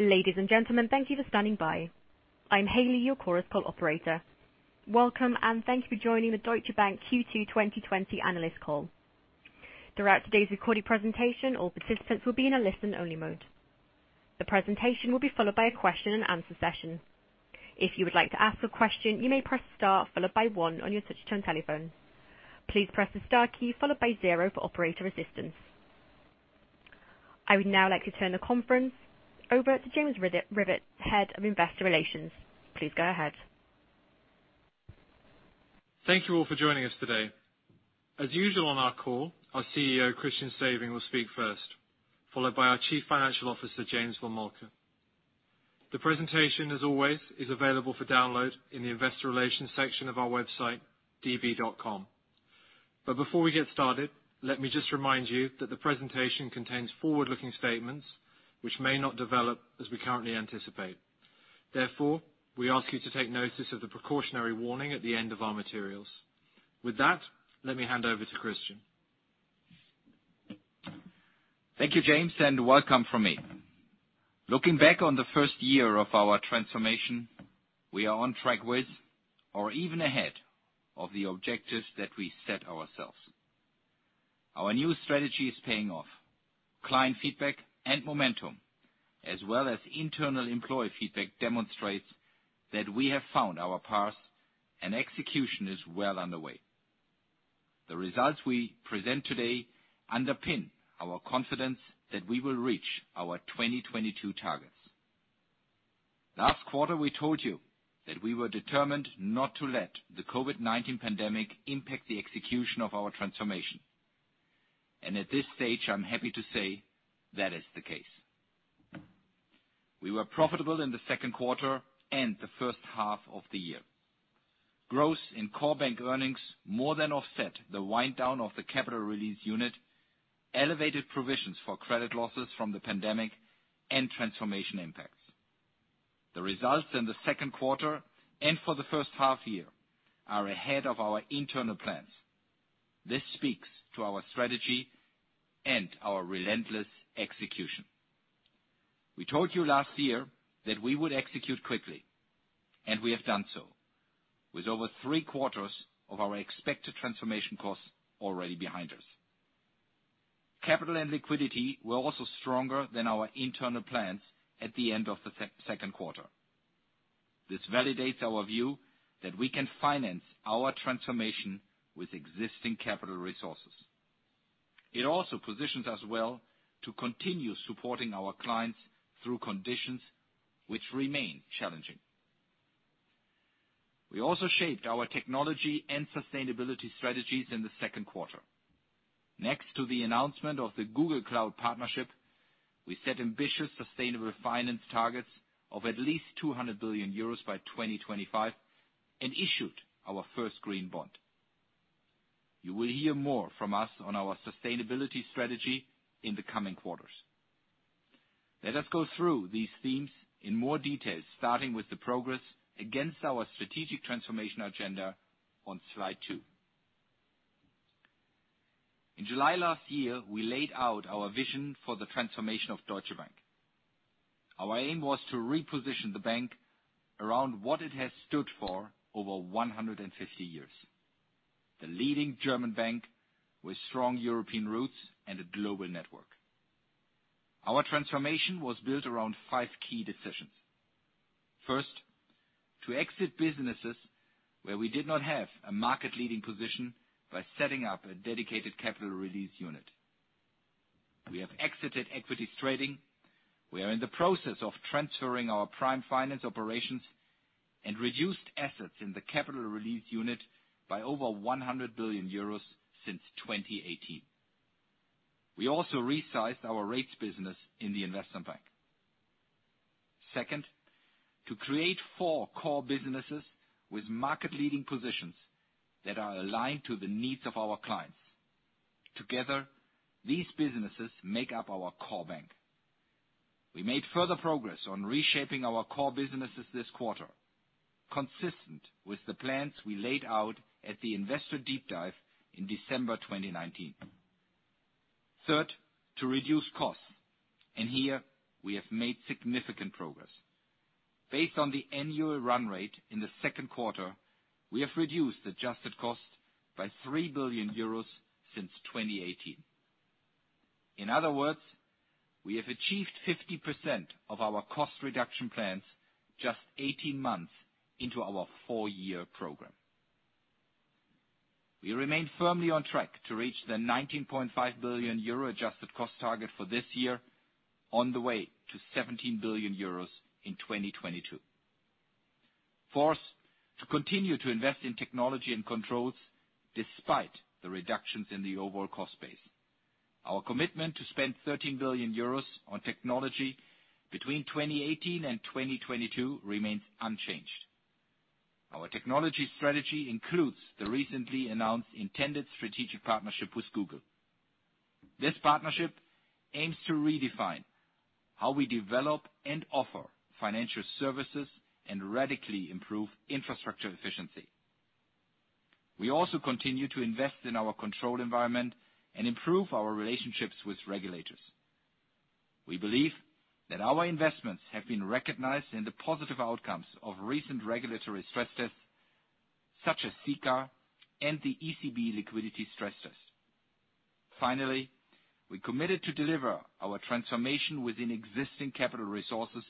Ladies and gentlemen, thank you for standing by. I'm Hailey, your Chorus Call operator. Welcome, and thank you for joining the Deutsche Bank Q2 2020 analyst call. Throughout today's recorded presentation, all participants will be in a listen-only mode. The presentation will be followed by a question and answer session. If you would like to ask a question, you may press star, followed by one on your touch-tone telephone. Please press the star key followed by zero for operator assistance. I would now like to turn the conference over to James Rivett, Head of Investor Relations. Please go ahead. Thank you all for joining us today. As usual on our call, our CEO, Christian Sewing, will speak first, followed by our Chief Financial Officer, James von Moltke. The presentation, as always, is available for download in the investor relations section of our website, db.com. Before we get started, let me just remind you that the presentation contains forward-looking statements which may not develop as we currently anticipate. Therefore, we ask you to take notice of the precautionary warning at the end of our materials. With that, let me hand over to Christian. Thank you, James, and welcome from me. Looking back on the first year of our transformation, we are on track with, or even ahead of the objectives that we set ourselves. Our new strategy is paying off. Client feedback and momentum, as well as internal employee feedback, demonstrates that we have found our path, and execution is well underway. The results we present today underpin our confidence that we will reach our 2022 targets. Last quarter, we told you that we were determined not to let the COVID-19 pandemic impact the execution of our transformation. At this stage, I'm happy to say that is the case. We were profitable in the second quarter and the first half of the year. Growth in core bank earnings more than offset the wind down of the Capital Release Unit, elevated provisions for credit losses from the pandemic, and transformation impacts. The results in the second quarter, and for the first half year, are ahead of our internal plans. This speaks to our strategy and our relentless execution. We told you last year that we would execute quickly, and we have done so with over three-quarters of our expected transformation costs already behind us. Capital and liquidity were also stronger than our internal plans at the end of the second quarter. This validates our view that we can finance our transformation with existing capital resources. It also positions us well to continue supporting our clients through conditions which remain challenging. We also shaped our technology and sustainability strategies in the second quarter. Next to the announcement of the Google Cloud partnership, we set ambitious sustainable finance targets of at least 200 billion euros by 2025 and issued our first green bond. You will hear more from us on our sustainability strategy in the coming quarters. Let us go through these themes in more detail, starting with the progress against our strategic transformation agenda on slide two. In July last year, we laid out our vision for the transformation of Deutsche Bank. Our aim was to reposition the bank around what it has stood for over 150 years. The leading German bank with strong European roots and a global network. Our transformation was built around five key decisions. First, to exit businesses where we did not have a market-leading position by setting up a dedicated Capital Release Unit. We have exited equities trading. We are in the process of transferring our prime finance operations and reduced assets in the Capital Release Unit by over 100 billion euros since 2018. We also resized our rates business in the Investment Bank. Second, to create four core businesses with market-leading positions that are aligned to the needs of our clients. Together, these businesses make up our core bank. We made further progress on reshaping our core businesses this quarter, consistent with the plans we laid out at the investor deep dive in December 2019. Third, to reduce costs. Here we have made significant progress. Based on the annual run rate in the second quarter, we have reduced adjusted cost by 3 billion euros since 2018. In other words, we have achieved 50% of our cost reduction plans just 18 months into our four-year program. We remain firmly on track to reach the 19.5 billion euro adjusted cost target for this year on the way to 17 billion euros in 2022. Fourth, to continue to invest in technology and controls despite the reductions in the overall cost base. Our commitment to spend 13 billion euros on technology between 2018 and 2022 remains unchanged. Our technology strategy includes the recently announced intended strategic partnership with Google. This partnership aims to redefine how we develop and offer financial services and radically improve infrastructure efficiency. We also continue to invest in our controlled environment and improve our relationships with regulators. We believe that our investments have been recognized in the positive outcomes of recent regulatory stress tests, such as CCAR and the ECB liquidity stress tests. Finally, we committed to deliver our transformation within existing capital resources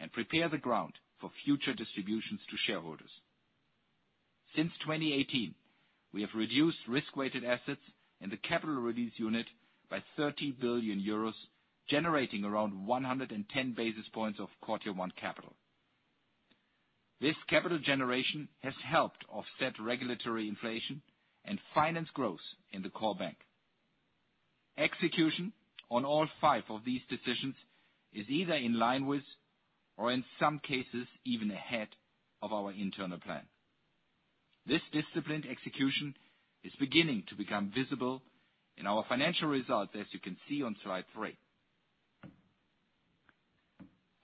and prepare the ground for future distributions to shareholders. Since 2018, we have reduced risk-weighted assets in the Capital Release Unit by 30 billion euros, generating around 110 basis points of quarter one capital. This capital generation has helped offset regulatory inflation and finance growth in the core bank. Execution on all five of these decisions is either in line with, or in some cases even ahead of our internal plan. This disciplined execution is beginning to become visible in our financial results, as you can see on slide three.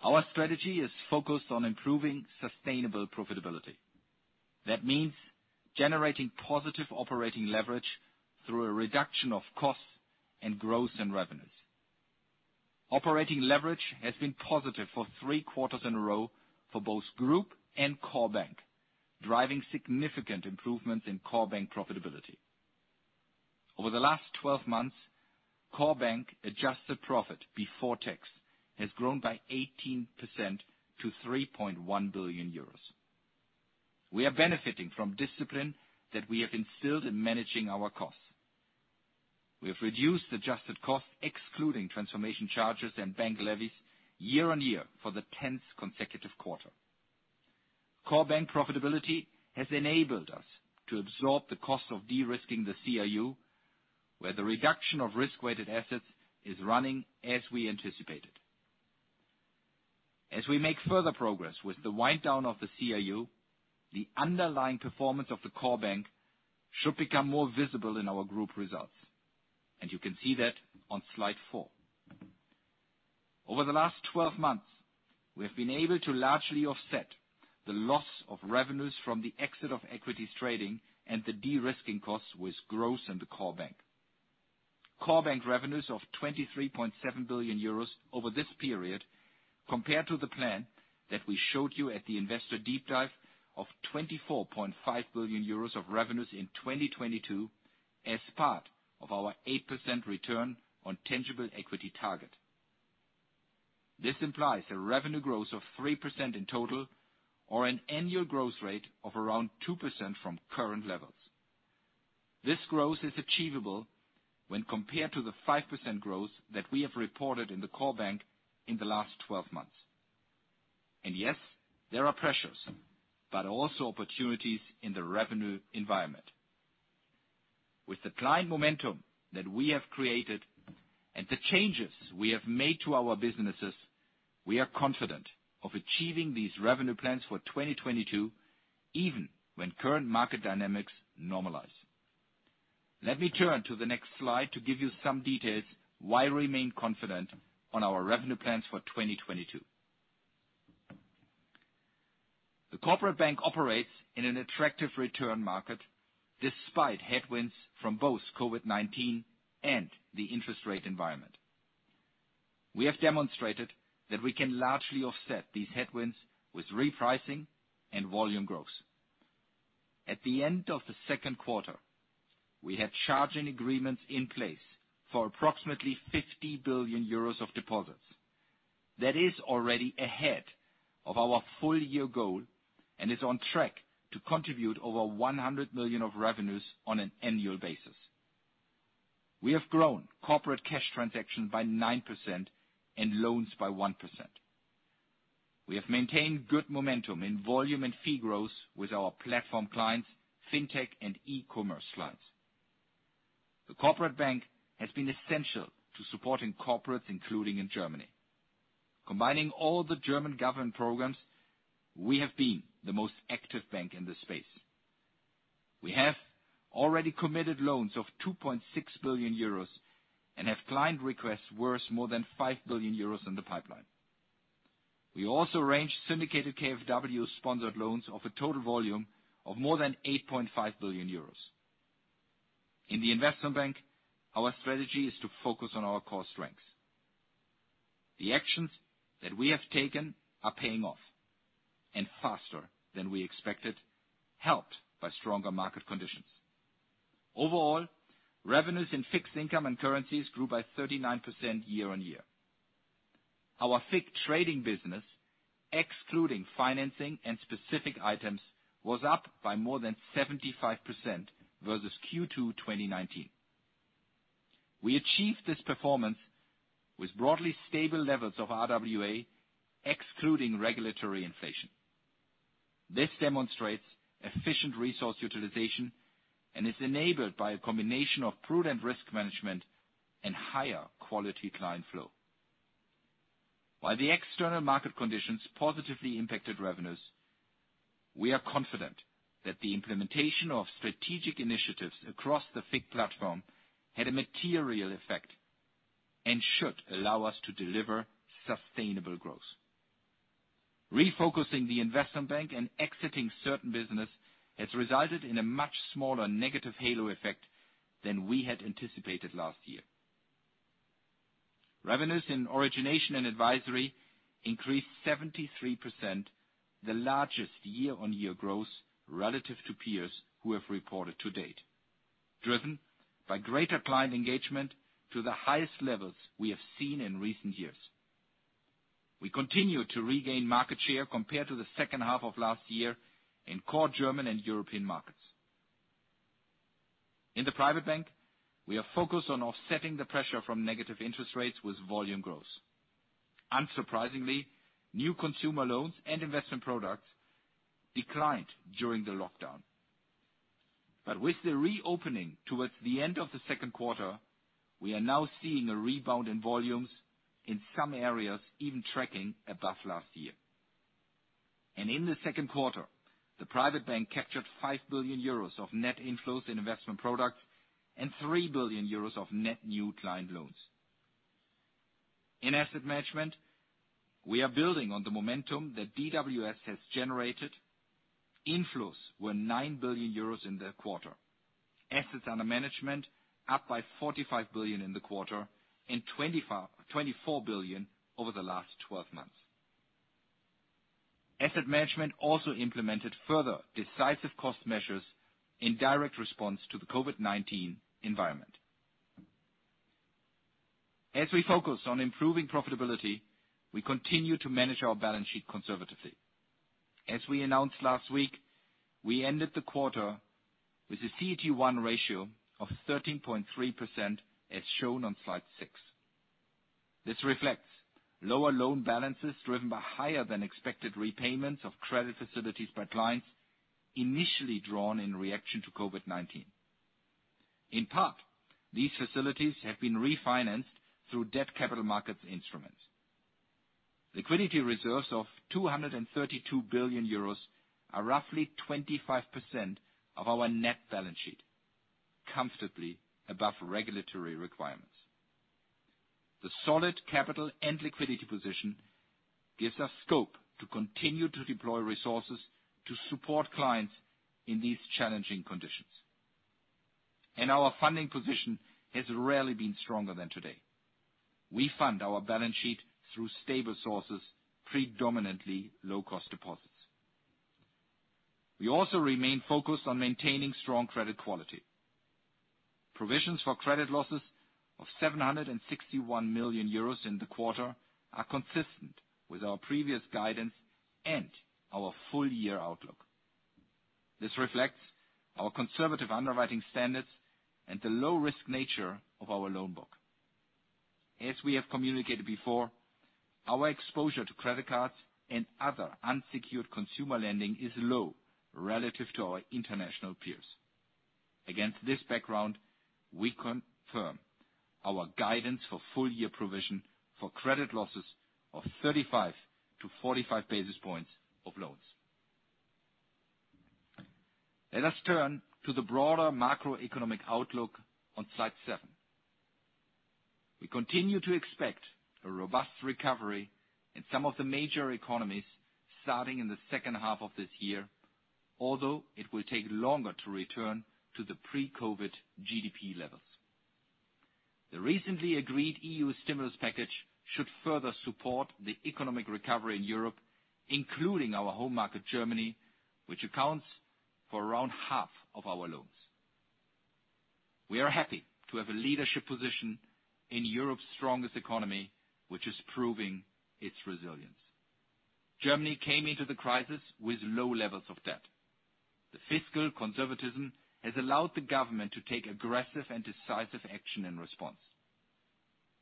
Our strategy is focused on improving sustainable profitability. That means generating positive operating leverage through a reduction of costs and growth in revenues. Operating leverage has been positive for three quarters in a row for both Group and Core Bank, driving significant improvements in Core Bank profitability. Over the last 12 months, Core Bank adjusted profit before tax has grown by 18% to 3.1 billion euros. We are benefiting from discipline that we have instilled in managing our costs. We have reduced adjusted costs, excluding transformation charges and bank levies, year-on-year for the 10th consecutive quarter. Core Bank profitability has enabled us to absorb the cost of de-risking the CRU, where the reduction of risk-weighted assets is running as we anticipated. As we make further progress with the wind down of the CRU, the underlying performance of the Core Bank should become more visible in our group results, and you can see that on slide four. Over the last 12 months, we have been able to largely offset the loss of revenues from the exit of equities trading and the de-risking costs with growth in the Core Bank. Core Bank revenues of 23.7 billion euros over this period compared to the plan that we showed you at the investor deep dive of 24.5 billion euros of revenues in 2022 as part of our 8% return on tangible equity target. This implies a revenue growth of 3% in total, or an annual growth rate of around 2% from current levels. This growth is achievable when compared to the 5% growth that we have reported in the Core Bank in the last 12 months. Yes, there are pressures, but also opportunities in the revenue environment. With the client momentum that we have created and the changes we have made to our businesses, we are confident of achieving these revenue plans for 2022, even when current market dynamics normalize. Let me turn to the next slide to give you some details why we remain confident on our revenue plans for 2022. The Corporate Bank operates in an attractive return market, despite headwinds from both COVID-19 and the interest rate environment. We have demonstrated that we can largely offset these headwinds with repricing and volume growth. At the end of the second quarter, we had charging agreements in place for approximately 50 billion euros of deposits. That is already ahead of our full year goal and is on track to contribute over 100 million of revenues on an annual basis. We have grown corporate cash transaction by 9% and loans by 1%. We have maintained good momentum in volume and fee growth with our platform clients, fintech, and e-commerce clients. The corporate bank has been essential to supporting corporates, including in Germany. Combining all the German government programs, we have been the most active bank in this space. We have already committed loans of 2.6 billion euros and have client requests worth more than 5 billion euros in the pipeline. We also arranged syndicated KfW-sponsored loans of a total volume of more than 8.5 billion euros. In the investment bank, our strategy is to focus on our core strengths. The actions that we have taken are paying off, and faster than we expected, helped by stronger market conditions. Overall, revenues in Fixed Income and Currencies grew by 39% year-on-year. Our FICC trading business, excluding financing and specific items, was up by more than 75% versus Q2 2019. We achieved this performance with broadly stable levels of RWA, excluding regulatory inflation. This demonstrates efficient resource utilization and is enabled by a combination of prudent risk management and higher quality client flow. While the external market conditions positively impacted revenues, we are confident that the implementation of strategic initiatives across the FICC platform had a material effect and should allow us to deliver sustainable growth. Refocusing the Investment Bank and exiting certain business has resulted in a much smaller negative halo effect than we had anticipated last year. Revenues in Origination and Advisory increased 73%, the largest year-on-year growth relative to peers who have reported to date, driven by greater client engagement to the highest levels we have seen in recent years. We continue to regain market share compared to the second half of last year in core German and European markets. In the Private Bank, we are focused on offsetting the pressure from negative interest rates with volume growth. Unsurprisingly, new consumer loans and investment products declined during the lockdown. With the reopening towards the end of the second quarter, we are now seeing a rebound in volumes in some areas even tracking above last year. In the second quarter, the Private Bank captured 5 billion euros of net inflows in investment products and 3 billion euros of net new client loans. In asset management, we are building on the momentum that DWS has generated. Inflows were 9 billion euros in the quarter. Assets under management up by 45 billion in the quarter, and 24 billion over the last 12 months. Asset management also implemented further decisive cost measures in direct response to the COVID-19 environment. As we focus on improving profitability, we continue to manage our balance sheet conservatively. As we announced last week, we ended the quarter with a CET1 ratio of 13.3%, as shown on slide six. This reflects lower loan balances driven by higher than expected repayments of credit facilities by clients initially drawn in reaction to COVID-19. In part, these facilities have been refinanced through debt capital markets instruments. Liquidity reserves of 232 billion euros are roughly 25% of our net balance sheet, comfortably above regulatory requirements. The solid capital and liquidity position gives us scope to continue to deploy resources to support clients in these challenging conditions. Our funding position has rarely been stronger than today. We fund our balance sheet through stable sources, predominantly low-cost deposits. We also remain focused on maintaining strong credit quality. Provisions for credit losses of 761 million euros in the quarter are consistent with our previous guidance and our full year outlook. This reflects our conservative underwriting standards and the low-risk nature of our loan book. As we have communicated before, our exposure to credit cards and other unsecured consumer lending is low relative to our international peers. Against this background, we confirm our guidance for full year provision for credit losses of 35 to 45 basis points of loans. Let us turn to the broader macroeconomic outlook on slide seven. We continue to expect a robust recovery in some of the major economies starting in the second half of this year, although it will take longer to return to the pre-COVID GDP levels. The recently agreed EU stimulus package should further support the economic recovery in Europe, including our home market, Germany, which accounts for around half of our loans. We are happy to have a leadership position in Europe's strongest economy, which is proving its resilience. Germany came into the crisis with low levels of debt. The fiscal conservatism has allowed the government to take aggressive and decisive action in response.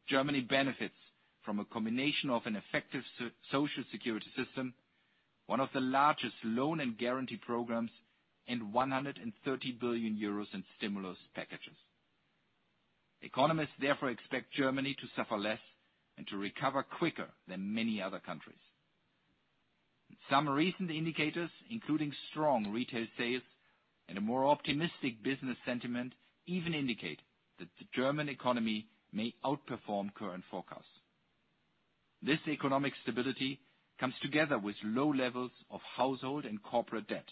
Germany benefits from a combination of an effective social security system, one of the largest loan and guarantee programs, and 130 billion euros in stimulus packages. Economists therefore expect Germany to suffer less and to recover quicker than many other countries. Some recent indicators, including strong retail sales and a more optimistic business sentiment, even indicate that the German economy may outperform current forecasts. This economic stability comes together with low levels of household and corporate debt,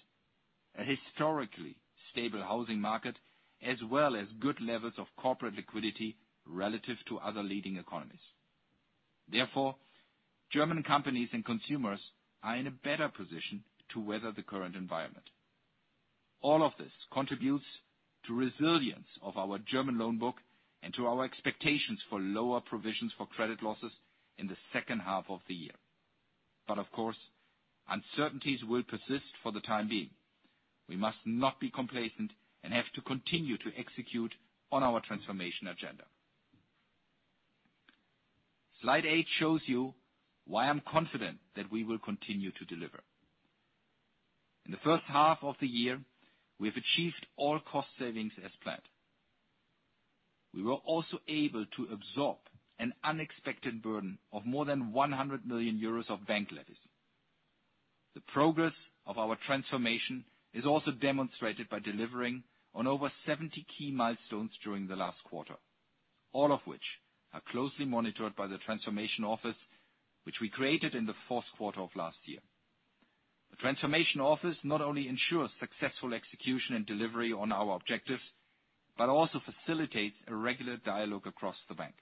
a historically stable housing market, as well as good levels of corporate liquidity relative to other leading economies. German companies and consumers are in a better position to weather the current environment. All of this contributes to resilience of our German loan book and to our expectations for lower provisions for credit losses in the second half of the year. Of course, uncertainties will persist for the time being. We must not be complacent and have to continue to execute on our transformation agenda. Slide eight shows you why I'm confident that we will continue to deliver. In the first half of the year, we have achieved all cost savings as planned. We were also able to absorb an unexpected burden of more than 100 million euros of bank levies. The progress of our transformation is also demonstrated by delivering on over 70 key milestones during the last quarter, all of which are closely monitored by the Transformation Office, which we created in the fourth quarter of last year. The Transformation Office not only ensures successful execution and delivery on our objectives, but also facilitates a regular dialogue across the bank.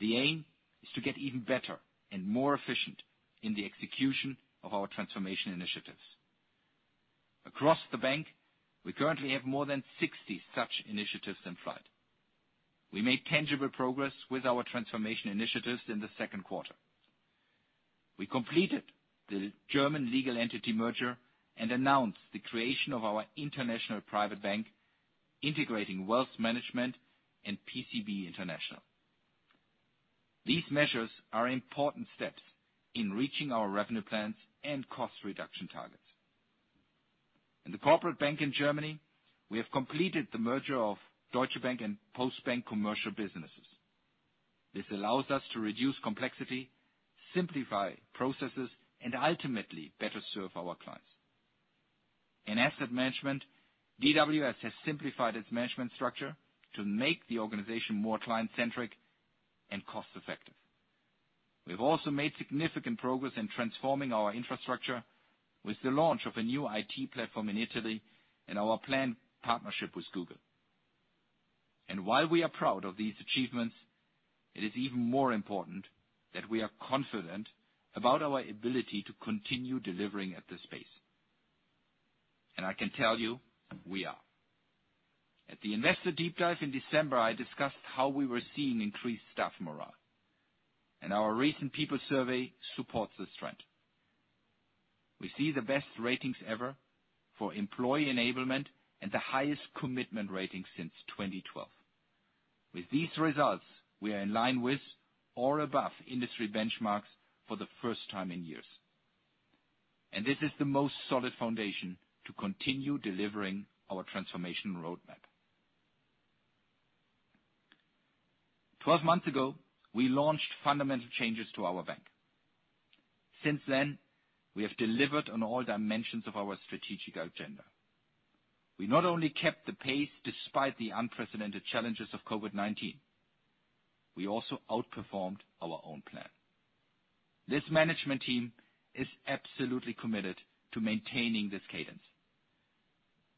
The aim is to get even better and more efficient in the execution of our transformation initiatives. Across the bank, we currently have more than 60 such initiatives in flight. We made tangible progress with our transformation initiatives in the second quarter. We completed the German legal entity merger and announced the creation of our International Private Bank, integrating wealth management and PCB International. These measures are important steps in reaching our revenue plans and cost reduction targets. In the corporate bank in Germany, we have completed the merger of Deutsche Bank and Postbank commercial businesses. This allows us to reduce complexity, simplify processes, and ultimately better serve our clients. In asset management, DWS has simplified its management structure to make the organization more client-centric and cost-effective. We've also made significant progress in transforming our infrastructure with the launch of a new IT platform in Italy and our planned partnership with Google. While we are proud of these achievements, it is even more important that we are confident about our ability to continue delivering at this pace. I can tell you, we are. At the Investor Deep Dive in December, I discussed how we were seeing increased staff morale, and our recent people survey supports this trend. We see the best ratings ever for employee enablement and the highest commitment rating since 2012. With these results, we are in line with or above industry benchmarks for the first time in years, and this is the most solid foundation to continue delivering our transformation roadmap. 12 months ago, we launched fundamental changes to our bank. Since then, we have delivered on all dimensions of our strategic agenda. We not only kept the pace despite the unprecedented challenges of COVID-19, we also outperformed our own plan. This management team is absolutely committed to maintaining this cadence.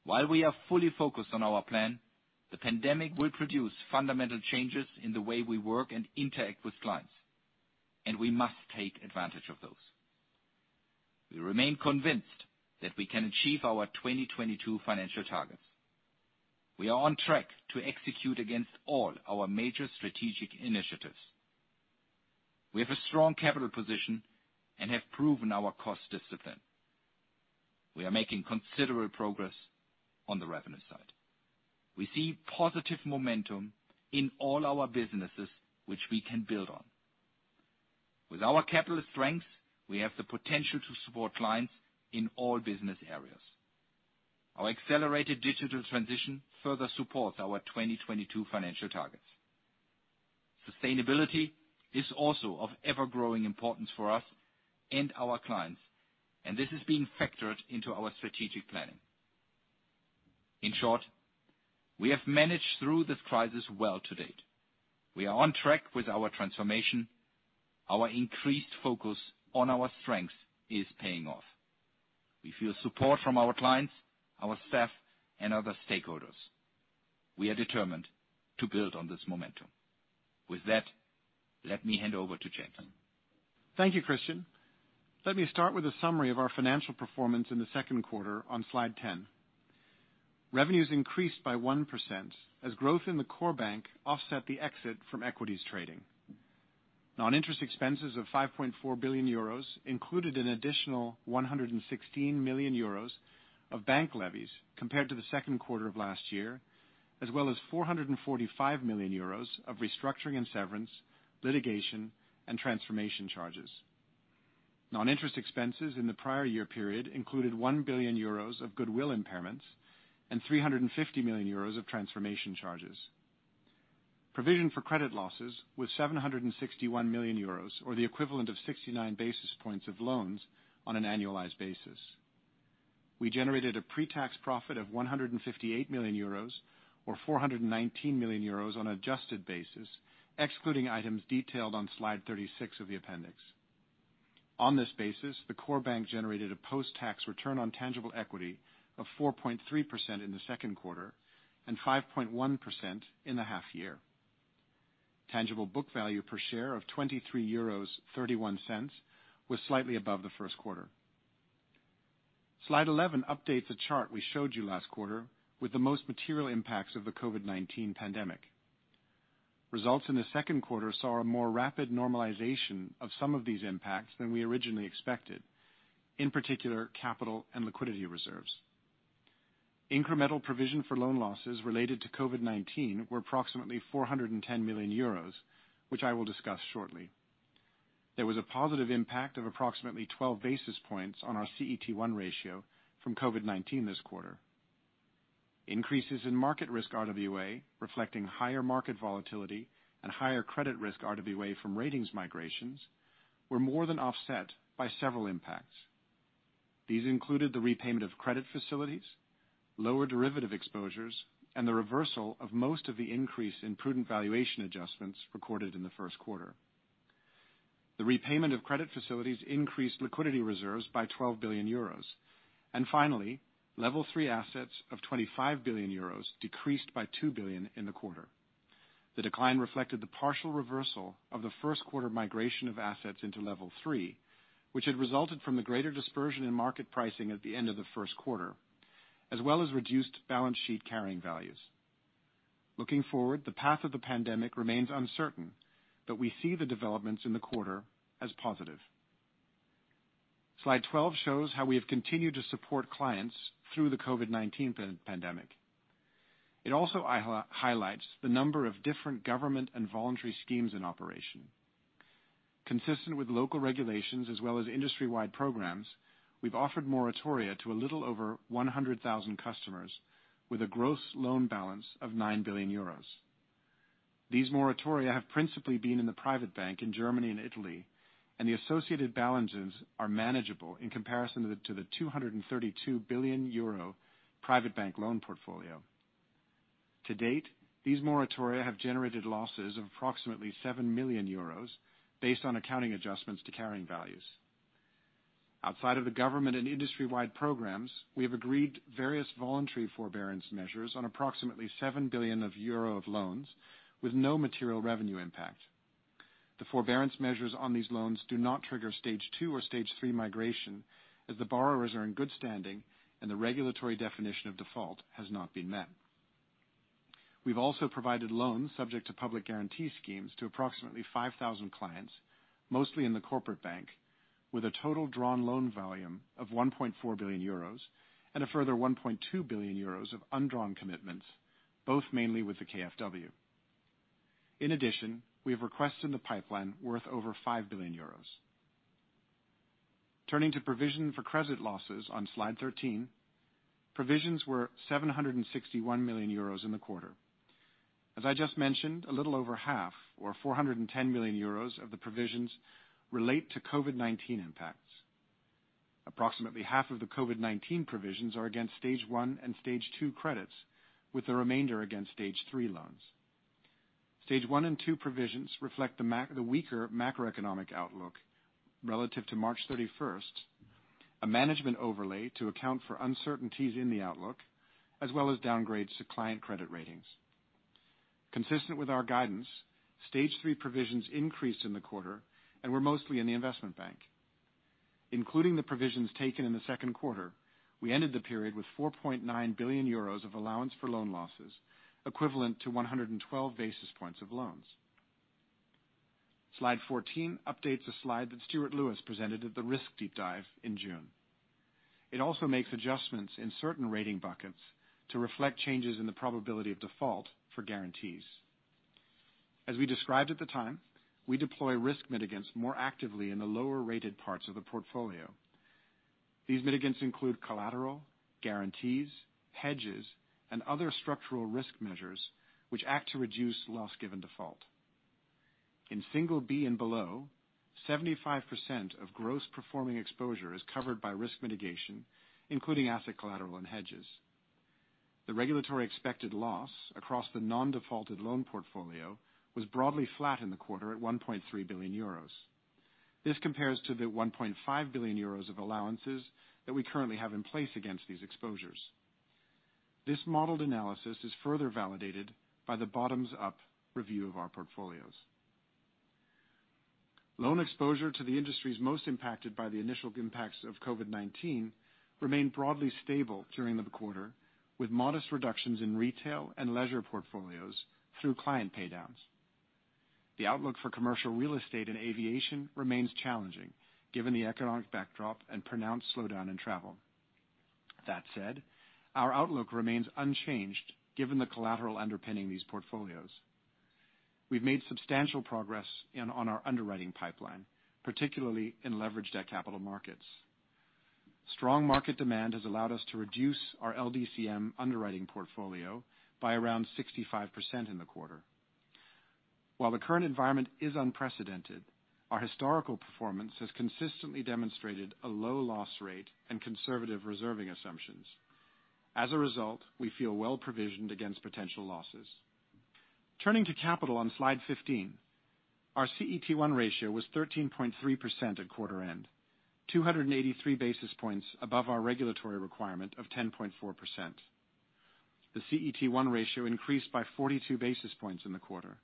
While we are fully focused on our plan, the pandemic will produce fundamental changes in the way we work and interact with clients, and we must take advantage of those. We remain convinced that we can achieve our 2022 financial targets. We are on track to execute against all our major strategic initiatives. We have a strong capital position and have proven our cost discipline. We are making considerable progress on the revenue side. We see positive momentum in all our businesses, which we can build on. With our capital strength, we have the potential to support clients in all business areas. Our accelerated digital transition further supports our 2022 financial targets. Sustainability is also of ever-growing importance for us and our clients, and this is being factored into our strategic planning. In short, we have managed through this crisis well to date. We are on track with our transformation. Our increased focus on our strengths is paying off. We feel support from our clients, our staff, and other stakeholders. We are determined to build on this momentum. With that, let me hand over to James. Thank you, Christian. Let me start with a summary of our financial performance in the second quarter on slide 10. Revenues increased by 1%, as growth in the core bank offset the exit from equities trading. Non-interest expenses of 5.4 billion euros included an additional 116 million euros of bank levies compared to the second quarter of last year, as well as 445 million euros of restructuring and severance, litigation, and transformation charges. Non-interest expenses in the prior year period included 1 billion euros of goodwill impairments and 350 million euros of transformation charges. Provision for credit losses was 761 million euros, or the equivalent of 69 basis points of loans on an annualized basis. We generated a pre-tax profit of 158 million euros, or 419 million euros on an adjusted basis, excluding items detailed on slide 36 of the appendix. On this basis, the core bank generated a post-tax return on tangible equity of 4.3% in the second quarter and 5.1% in the half year. Tangible book value per share of 23.31 euros was slightly above the first quarter. Slide 11 updates a chart we showed you last quarter with the most material impacts of the COVID-19 pandemic. Results in the second quarter saw a more rapid normalization of some of these impacts than we originally expected, in particular, capital and liquidity reserves. Incremental provision for loan losses related to COVID-19 were approximately 410 million euros, which I will discuss shortly. There was a positive impact of approximately 12 basis points on our CET1 ratio from COVID-19 this quarter. Increases in market risk RWA, reflecting higher market volatility and higher credit risk RWA from ratings migrations, were more than offset by several impacts. These included the repayment of credit facilities, lower derivative exposures, and the reversal of most of the increase in prudent valuation adjustments recorded in the first quarter. The repayment of credit facilities increased liquidity reserves by 12 billion euros. Finally, Level 3 assets of 25 billion euros decreased by 2 billion in the quarter. The decline reflected the partial reversal of the first quarter migration of assets into Level 3, which had resulted from the greater dispersion in market pricing at the end of the first quarter, as well as reduced balance sheet carrying values. Looking forward, the path of the pandemic remains uncertain, but we see the developments in the quarter as positive. Slide 12 shows how we have continued to support clients through the COVID-19 pandemic. It also highlights the number of different government and voluntary schemes in operation. Consistent with local regulations as well as industry-wide programs, we've offered moratoria to a little over 100,000 customers with a gross loan balance of 9 billion euros. These moratoria have principally been in the Private Bank in Germany and Italy, and the associated balances are manageable in comparison to the 232 billion euro Private Bank loan portfolio. To date, these moratoria have generated losses of approximately 7 million euros, based on accounting adjustments to carrying values. Outside of the government and industry-wide programs, we have agreed various voluntary forbearance measures on approximately 7 billion euro of loans, with no material revenue impact. The forbearance measures on these loans do not trigger Stage 2 or Stage 3 migration, as the borrowers are in good standing and the regulatory definition of default has not been met. We've also provided loans subject to public guarantee schemes to approximately 5,000 clients, mostly in the corporate bank, with a total drawn loan volume of 1.4 billion euros and a further 1.2 billion euros of undrawn commitments, both mainly with the KfW. In addition, we have requests in the pipeline worth over 5 billion euros. Turning to provision for credit losses on slide 13. Provisions were 761 million euros in the quarter. As I just mentioned, a little over half, or 410 million euros of the provisions relate to COVID-19 impacts. Approximately half of the COVID-19 provisions are against Stage 1 and Stage 2 credits, with the remainder against Stage 3 loans. Stage 1 and 2 provisions reflect the weaker macroeconomic outlook relative to March 31st, a management overlay to account for uncertainties in the outlook, as well as downgrades to client credit ratings. Consistent with our guidance, Stage 3 provisions increased in the quarter and were mostly in the investment bank. Including the provisions taken in the second quarter, we ended the period with 4.9 billion euros of allowance for loan losses, equivalent to 112 basis points of loans. Slide 14 updates a slide that Stuart Lewis presented at the risk deep dive in June. It also makes adjustments in certain rating buckets to reflect changes in the probability of default for guarantees. As we described at the time, we deploy risk mitigants more actively in the lower-rated parts of the portfolio. These mitigant include collateral, guarantees, hedges, and other structural risk measures which act to reduce loss given default. In single B and below, 75% of gross performing exposure is covered by risk mitigation, including asset collateral and hedges. The regulatory expected loss across the non-defaulted loan portfolio was broadly flat in the quarter at 1.3 billion euros. This compares to the 1.5 billion euros of allowances that we currently have in place against these exposures. This modeled analysis is further validated by the bottoms-up review of our portfolios. Loan exposure to the industries most impacted by the initial impacts of COVID-19 remained broadly stable during the quarter, with modest reductions in retail and leisure portfolios through client paydowns. The outlook for commercial real estate and aviation remains challenging given the economic backdrop and pronounced slowdown in travel. That said, our outlook remains unchanged given the collateral underpinning these portfolios. We've made substantial progress on our underwriting pipeline, particularly in leveraged debt capital markets. Strong market demand has allowed us to reduce our LDCM underwriting portfolio by around 65% in the quarter. While the current environment is unprecedented, our historical performance has consistently demonstrated a low loss rate and conservative reserving assumptions. As a result, we feel well-provisioned against potential losses. Turning to capital on slide 15. Our CET1 ratio was 13.3% at quarter end, 283 basis points above our regulatory requirement of 10.4%. The CET1 ratio increased by 42 basis points in the quarter.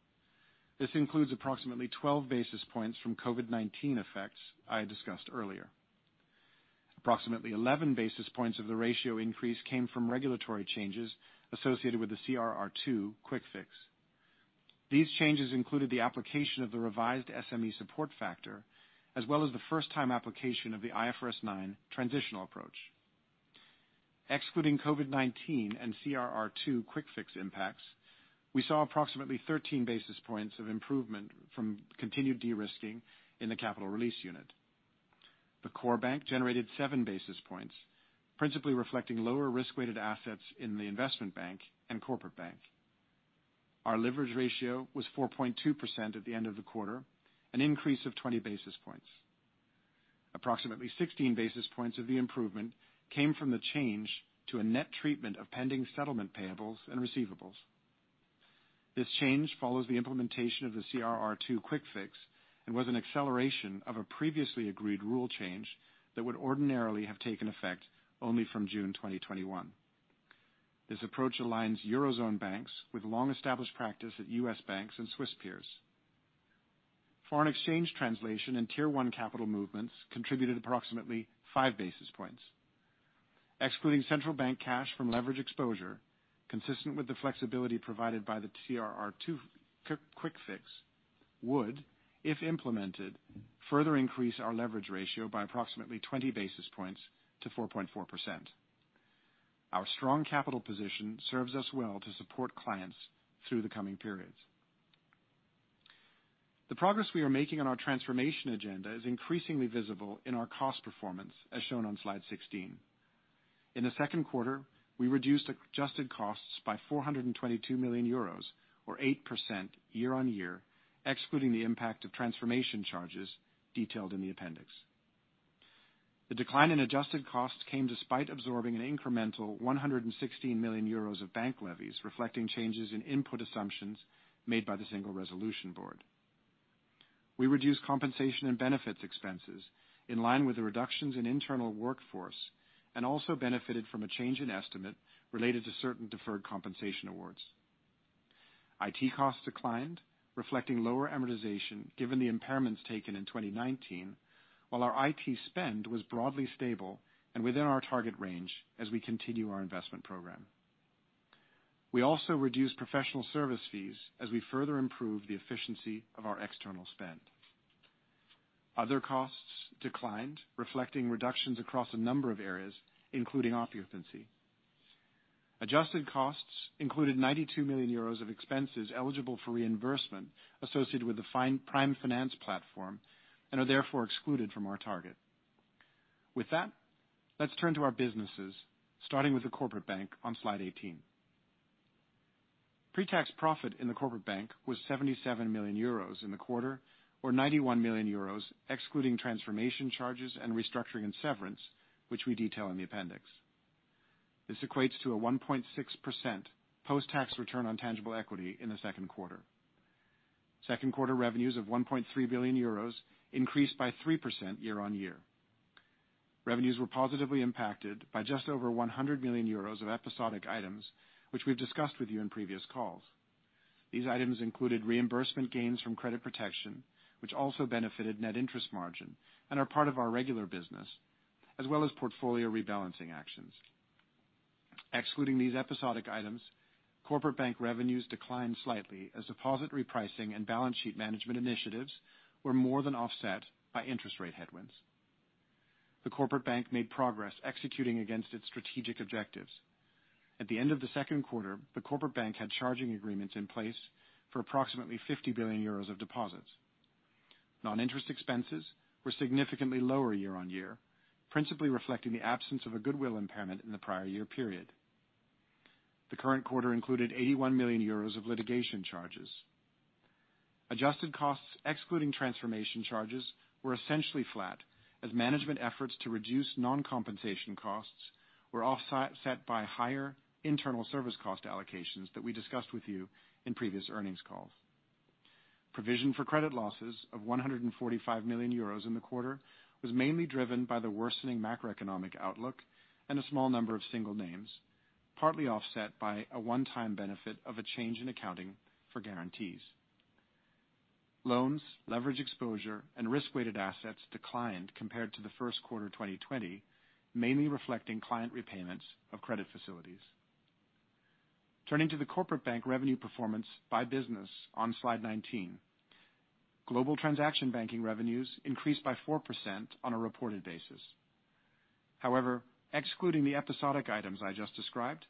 This includes approximately 12 basis points from COVID-19 effects I had discussed earlier. Approximately 11 basis points of the ratio increase came from regulatory changes associated with the CRR2 quick fix. These changes included the application of the revised SME supporting factor, as well as the first-time application of the IFRS9 transitional approach. Excluding COVID-19 and CRR2 quick fix impacts, we saw approximately 13 basis points of improvement from continued de-risking in the Capital Release Unit. The core bank generated seven basis points, principally reflecting lower risk-weighted assets in the investment bank and corporate bank. Our leverage ratio was 4.2% at the end of the quarter, an increase of 20 basis points. Approximately 16 basis points of the improvement came from the change to a net treatment of pending settlement payables and receivables. This change follows the implementation of the CRR2 quick fix and was an acceleration of a previously agreed rule change that would ordinarily have taken effect only from June 2021. This approach aligns Eurozone banks with long-established practice at U.S. banks and Swiss peers. Foreign exchange translation and Tier 1 capital movements contributed approximately five basis points. Excluding central bank cash from leverage exposure, consistent with the flexibility provided by the CRR2 quick fix would, if implemented, further increase our leverage ratio by approximately 20 basis points to 4.4%. Our strong capital position serves us well to support clients through the coming periods. The progress we are making on our transformation agenda is increasingly visible in our cost performance, as shown on slide 16. In the second quarter, we reduced adjusted costs by 422 million euros, or 8% year-on-year, excluding the impact of transformation charges detailed in the appendix. The decline in adjusted costs came despite absorbing an incremental 116 million euros of bank levies, reflecting changes in input assumptions made by the Single Resolution Board. We reduced compensation and benefits expenses in line with the reductions in internal workforce and also benefited from a change in estimate related to certain deferred compensation awards. IT costs declined, reflecting lower amortization, given the impairments taken in 2019, while our IT spend was broadly stable and within our target range as we continue our investment program. We also reduced professional service fees as we further improved the efficiency of our external spend. Other costs declined, reflecting reductions across a number of areas, including occupancy. Adjusted costs included 92 million euros of expenses eligible for reimbursement associated with the Prime Finance platform and are therefore excluded from our target. With that, let's turn to our businesses, starting with the Corporate Bank on slide 18. Pre-tax profit in the Corporate Bank was 77 million euros in the quarter, or 91 million euros excluding transformation charges and restructuring and severance, which we detail in the appendix. This equates to a 1.6% post-tax return on tangible equity in the second quarter. Second quarter revenues of 1.3 billion euros increased by 3% year-on-year. Revenues were positively impacted by just over 100 million euros of episodic items, which we've discussed with you in previous calls. These items included reimbursement gains from credit protection, which also benefited net interest margin and are part of our regular business, as well as portfolio rebalancing actions. Excluding these episodic items, Corporate Bank revenues declined slightly as deposit repricing and balance sheet management initiatives were more than offset by interest rate headwinds. The Corporate Bank made progress executing against its strategic objectives. At the end of the second quarter, the Corporate Bank had charging agreements in place for approximately 50 billion euros of deposits. Non-interest expenses were significantly lower year-on-year, principally reflecting the absence of a goodwill impairment in the prior year period. The current quarter included 81 million euros of litigation charges. Adjusted costs, excluding transformation charges, were essentially flat as management efforts to reduce non-compensation costs were offset by higher internal service cost allocations that we discussed with you in previous earnings calls. Provision for credit losses of 145 million euros in the quarter was mainly driven by the worsening macroeconomic outlook and a small number of single names, partly offset by a one-time benefit of a change in accounting for guarantees. Loans, leverage exposure, and risk-weighted assets declined compared to the first quarter of 2020, mainly reflecting client repayments of credit facilities. Turning to the Corporate Bank revenue performance by business on Slide 19. Global transaction banking revenues increased by 4% on a reported basis. Excluding the episodic items I just described,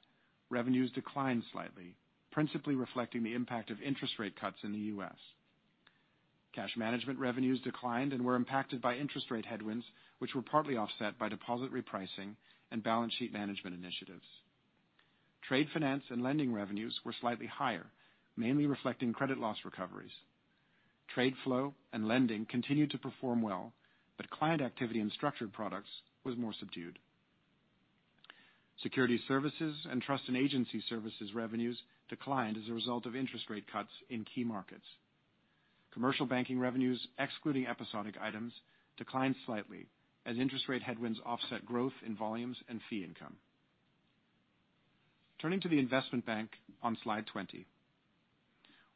revenues declined slightly, principally reflecting the impact of interest rate cuts in the U.S. Cash management revenues declined and were impacted by interest rate headwinds, which were partly offset by deposit repricing and balance sheet management initiatives. Trade finance and lending revenues were slightly higher, mainly reflecting credit loss recoveries. Trade flow and lending continued to perform well, but client activity and structured products was more subdued. Securities Services and Trust and Agency Services revenues declined as a result of interest rate cuts in key markets. Commercial Banking revenues, excluding episodic items, declined slightly as interest rate headwinds offset growth in volumes and fee income. Turning to the Investment Bank on slide 20.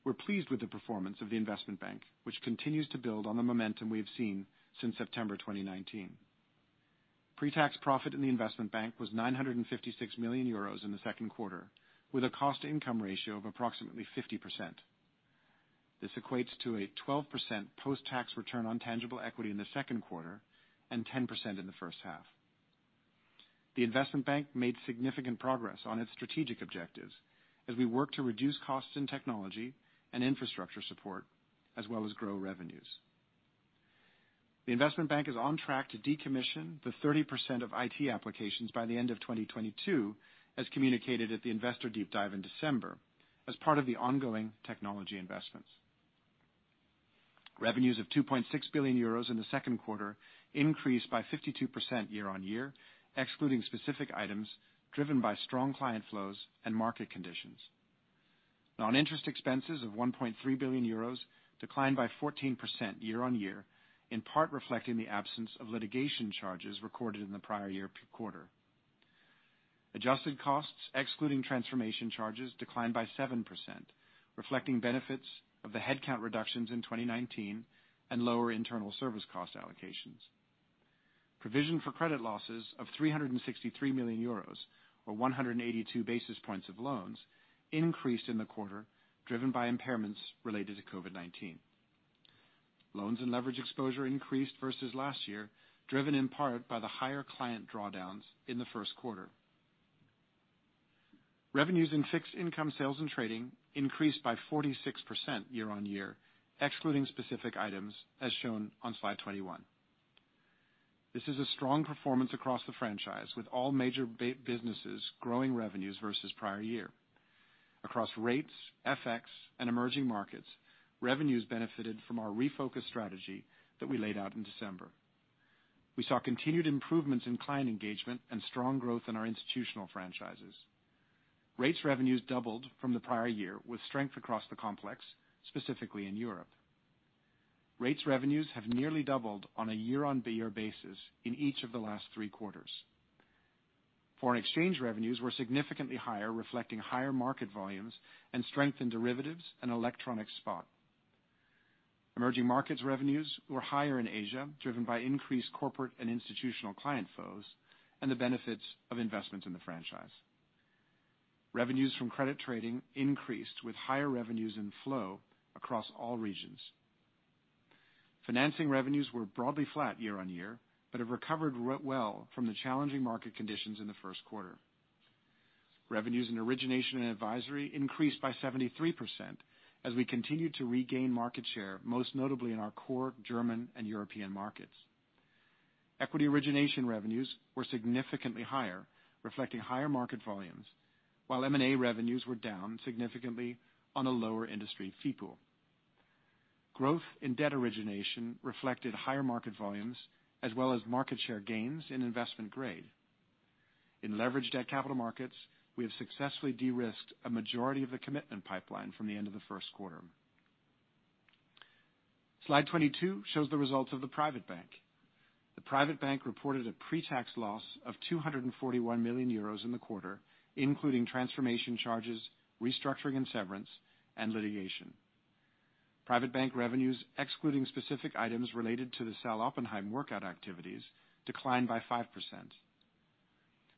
We're pleased with the performance of the Investment Bank, which continues to build on the momentum we have seen since September 2019. Pre-tax profit in the Investment Bank was 956 million euros in the second quarter, with a cost-to-income ratio of approximately 50%. This equates to a 12% post-tax return on tangible equity in the second quarter and 10% in the first half. The investment bank made significant progress on its strategic objectives as we work to reduce costs in technology and infrastructure support, as well as grow revenues. The investment bank is on track to decommission the 30% of IT applications by the end of 2022, as communicated at the investor deep dive in December, as part of the ongoing technology investments. Revenues of 2.6 billion euros in the second quarter increased by 52% year-on-year, excluding specific items driven by strong client flows and market conditions. Non-interest expenses of 1.3 billion euros declined by 14% year-on-year, in part reflecting the absence of litigation charges recorded in the prior year quarter. Adjusted costs, excluding transformation charges, declined by 7%, reflecting benefits of the headcount reductions in 2019 and lower internal service cost allocations. Provision for credit losses of 363 million euros, or 182 basis points of loans, increased in the quarter, driven by impairments related to COVID-19. Loans and leverage exposure increased versus last year, driven in part by the higher client drawdowns in the first quarter. Revenues in Fixed Income Sales and Trading increased by 46% year-on-year, excluding specific items as shown on slide 21. This is a strong performance across the franchise, with all major businesses growing revenues versus prior year. Across rates, FX, and emerging markets, revenues benefited from our refocused strategy that we laid out in December. We saw continued improvements in client engagement and strong growth in our institutional franchises. Rates revenues doubled from the prior year, with strength across the complex, specifically in Europe. Rates revenues have nearly doubled on a year-on-year basis in each of the last three quarters. Foreign exchange revenues were significantly higher, reflecting higher market volumes and strength in derivatives and electronic spot. Emerging markets revenues were higher in Asia, driven by increased corporate and institutional client flows and the benefits of investments in the franchise. Revenues from credit trading increased with higher revenues in flow across all regions. Financing revenues were broadly flat year-on-year, but have recovered well from the challenging market conditions in the first quarter. Revenues in Origination and Advisory increased by 73% as we continued to regain market share, most notably in our core German and European markets. Equity origination revenues were significantly higher, reflecting higher market volumes, while M&A revenues were down significantly on a lower industry fee pool. Growth in debt origination reflected higher market volumes as well as market share gains in investment grade. In leveraged debt capital markets, we have successfully de-risked a majority of the commitment pipeline from the end of the first quarter. Slide 22 shows the results of the Private Bank. The Private Bank reported a pre-tax loss of 241 million euros in the quarter, including transformation charges, restructuring and severance, and litigation. Private Bank revenues, excluding specific items related to the Sal. Oppenheim workout activities, declined by 5%.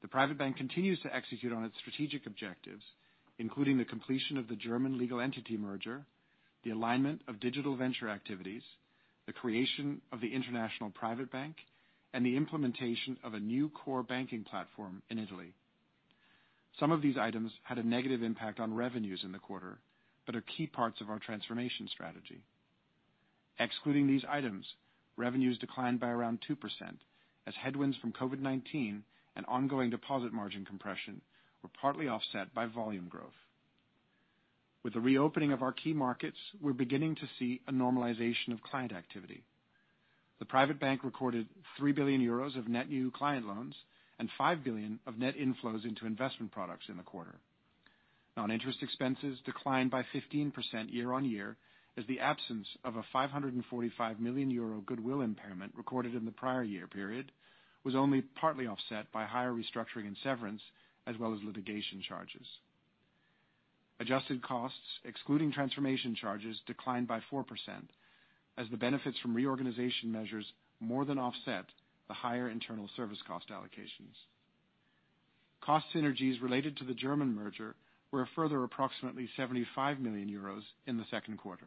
The Private Bank continues to execute on its strategic objectives, including the completion of the German legal entity merger, the alignment of digital venture activities, the creation of the International Private Bank, and the implementation of a new core banking platform in Italy. Some of these items had a negative impact on revenues in the quarter, but are key parts of our transformation strategy. Excluding these items, revenues declined by around 2% as headwinds from COVID-19 and ongoing deposit margin compression were partly offset by volume growth. With the reopening of our key markets, we're beginning to see a normalization of client activity. The private bank recorded 3 billion euros of net new client loans and 5 billion of net inflows into investment products in the quarter. Non-interest expenses declined by 15% year-on-year as the absence of a 545 million euro goodwill impairment recorded in the prior year period was only partly offset by higher restructuring and severance, as well as litigation charges. Adjusted costs, excluding transformation charges, declined by 4%, as the benefits from reorganization measures more than offset the higher internal service cost allocations. Cost synergies related to the German merger were a further approximately 75 million euros in the second quarter.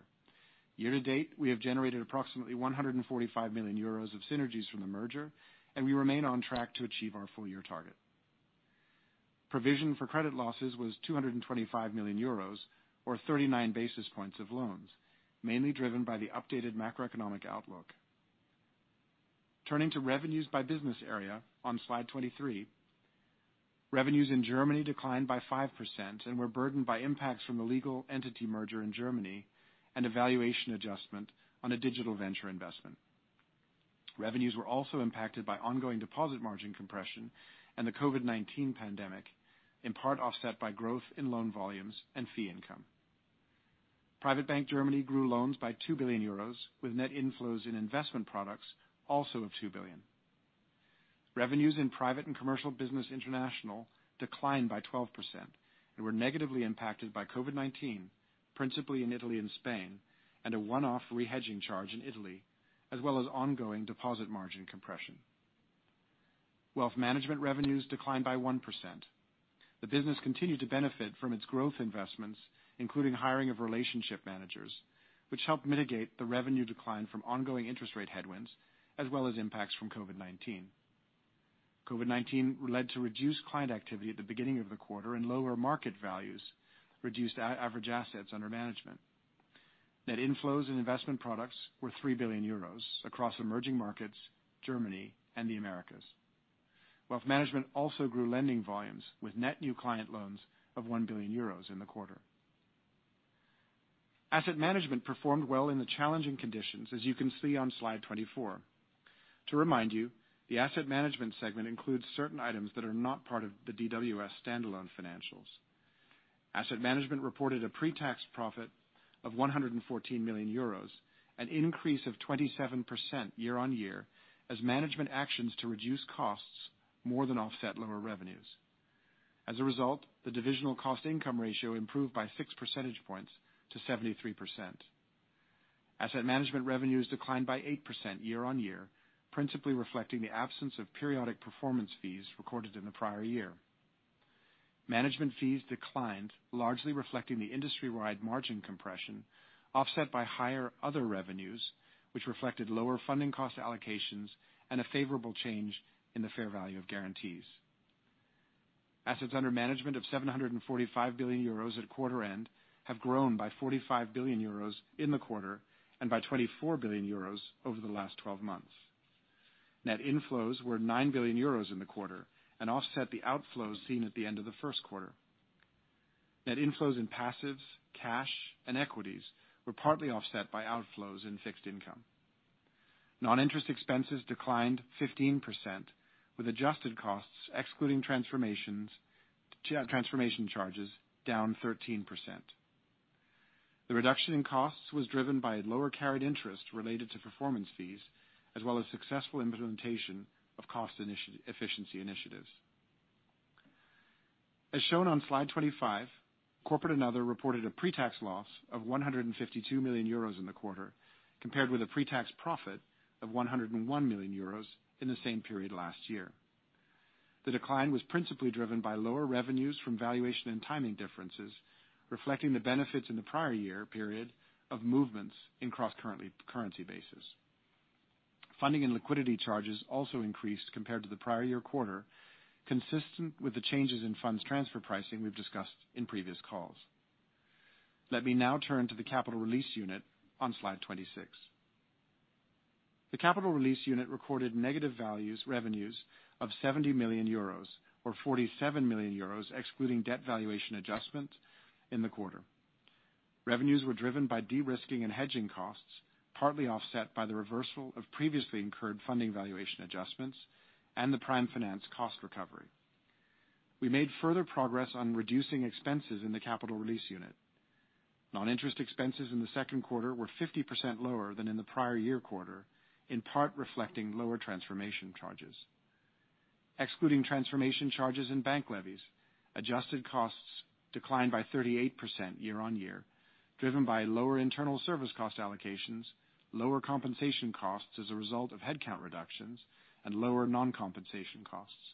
Year to date, we have generated approximately 145 million euros of synergies from the merger, and we remain on track to achieve our full-year target. Provision for credit losses was 225 million euros, or 39 basis points of loans, mainly driven by the updated macroeconomic outlook. Turning to revenues by business area on Slide 23, revenues in Germany declined by 5% and were burdened by impacts from the legal entity merger in Germany and a valuation adjustment on a digital venture investment. Revenues were also impacted by ongoing deposit margin compression and the COVID-19 pandemic, in part offset by growth in loan volumes and fee income. Private Bank Germany grew loans by 2 billion euros, with net inflows in investment products also of 2 billion. Revenues in Private & Commercial Bank International declined by 12% and were negatively impacted by COVID-19, principally in Italy and Spain, and a one-off re-hedging charge in Italy, as well as ongoing deposit margin compression. Wealth management revenues declined by 1%. The business continued to benefit from its growth investments, including hiring of relationship managers, which helped mitigate the revenue decline from ongoing interest rate headwinds, as well as impacts from COVID-19. COVID-19 led to reduced client activity at the beginning of the quarter, and lower market values reduced average assets under management. Net inflows in investment products were 3 billion euros across emerging markets, Germany, and the Americas. Wealth management also grew lending volumes with net new client loans of 1 billion euros in the quarter. Asset management performed well in the challenging conditions, as you can see on slide 24. To remind you, the asset management segment includes certain items that are not part of the DWS standalone financials. Asset management reported a pre-tax profit of 114 million euros, an increase of 27% year-on-year, as management actions to reduce costs more than offset lower revenues. As a result, the divisional cost-income ratio improved by six percentage points to 73%. Asset management revenues declined by 8% year-on-year, principally reflecting the absence of periodic performance fees recorded in the prior year. Management fees declined, largely reflecting the industry-wide margin compression, offset by higher other revenues, which reflected lower funding cost allocations and a favorable change in the fair value of guarantees. Assets under management of 745 billion euros at quarter end have grown by 45 billion euros in the quarter and by 24 billion euros over the last 12 months. Net inflows were 9 billion euros in the quarter and offset the outflows seen at the end of the first quarter. Net inflows in passives, cash, and equities were partly offset by outflows in fixed income. Non-interest expenses declined 15%, with adjusted costs, excluding transformation charges, down 13%. The reduction in costs was driven by lower carried interest related to performance fees, as well as successful implementation of cost efficiency initiatives. As shown on slide 25, Corporate and other reported a pre-tax loss of 152 million euros in the quarter, compared with a pre-tax profit of 101 million euros in the same period last year. The decline was principally driven by lower revenues from valuation and timing differences, reflecting the benefits in the prior year period of movements in cross-currency basis. Funding and liquidity charges also increased compared to the prior year quarter, consistent with the changes in funds transfer pricing we've discussed in previous calls. Let me now turn to the Capital Release Unit on slide 26. The Capital Release Unit recorded negative values revenues of 70 million euros or 47 million euros, excluding debt valuation adjustment in the quarter. Revenues were driven by de-risking and hedging costs, partly offset by the reversal of previously incurred funding valuation adjustments and the prime finance cost recovery. We made further progress on reducing expenses in the Capital Release Unit. Non-interest expenses in the second quarter were 50% lower than in the prior year quarter, in part reflecting lower transformation charges. Excluding transformation charges and bank levies, adjusted costs declined by 38% year-on-year, driven by lower internal service cost allocations, lower compensation costs as a result of headcount reductions, and lower non-compensation costs.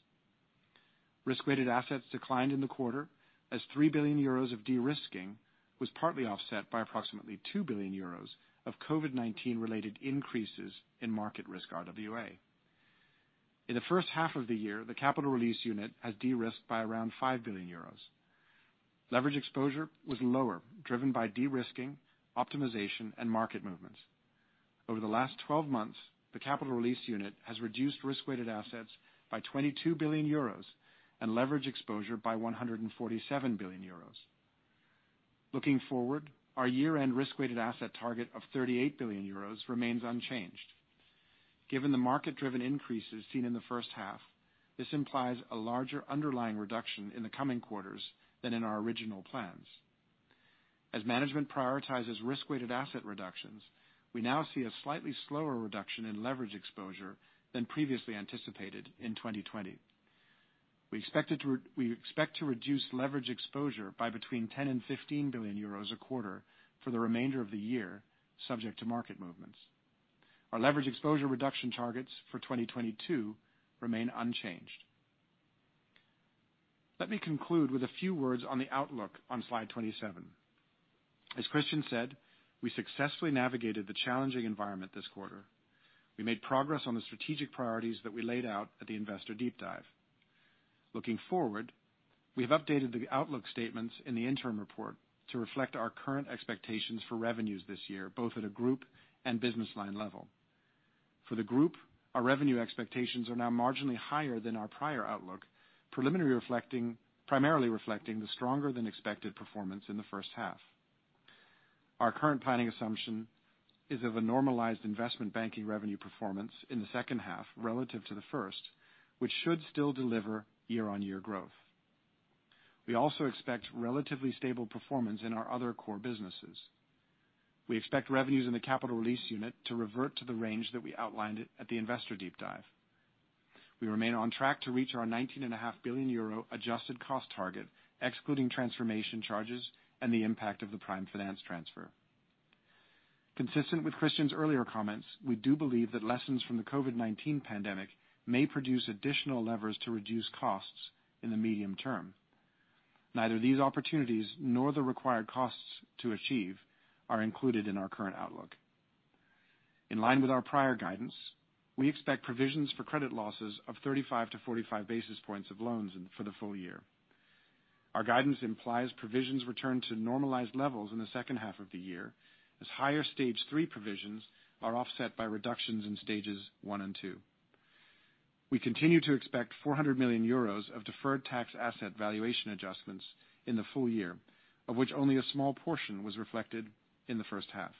Risk-weighted assets declined in the quarter as 3 billion euros of de-risking was partly offset by approximately 2 billion euros of COVID-19 related increases in market risk RWA. In the first half of the year, the Capital Release Unit has de-risked by around 5 billion euros. Leverage exposure was lower, driven by de-risking, optimization, and market movements. Over the last 12 months, the Capital Release Unit has reduced risk-weighted assets by 22 billion euros and leverage exposure by 147 billion euros. Looking forward, our year-end risk-weighted asset target of 38 billion euros remains unchanged. Given the market-driven increases seen in the first half, this implies a larger underlying reduction in the coming quarters than in our original plans. As management prioritizes risk-weighted asset reductions, we now see a slightly slower reduction in leverage exposure than previously anticipated in 2020. We expect to reduce leverage exposure by between 10 billion and 15 billion euros a quarter for the remainder of the year, subject to market movements. Our leverage exposure reduction targets for 2022 remain unchanged. Let me conclude with a few words on the outlook on slide 27. As Christian said, we successfully navigated the challenging environment this quarter. We made progress on the strategic priorities that we laid out at the investor deep dive. Looking forward, we have updated the outlook statements in the interim report to reflect our current expectations for revenues this year, both at a group and business line level. For the group, our revenue expectations are now marginally higher than our prior outlook, primarily reflecting the stronger than expected performance in the first half. Our current planning assumption is of a normalized investment banking revenue performance in the second half relative to the first, which should still deliver year-on-year growth. We also expect relatively stable performance in our other core businesses. We expect revenues in the Capital Release Unit to revert to the range that we outlined at the investor deep dive. We remain on track to reach our 19.5 billion euro adjusted cost target, excluding transformation charges and the impact of the prime finance transfer. Consistent with Christian's earlier comments, we do believe that lessons from the COVID-19 pandemic may produce additional levers to reduce costs in the medium term. Neither these opportunities nor the required costs to achieve are included in our current outlook. In line with our prior guidance, we expect provisions for credit losses of 35-45 basis points of loans for the full year. Our guidance implies provisions return to normalized levels in the second half of the year, as higher Stage 3 provisions are offset by reductions in Stages 1 and 2. We continue to expect 400 million euros of deferred tax asset valuation adjustments in the full year, of which only a small portion was reflected in the first half.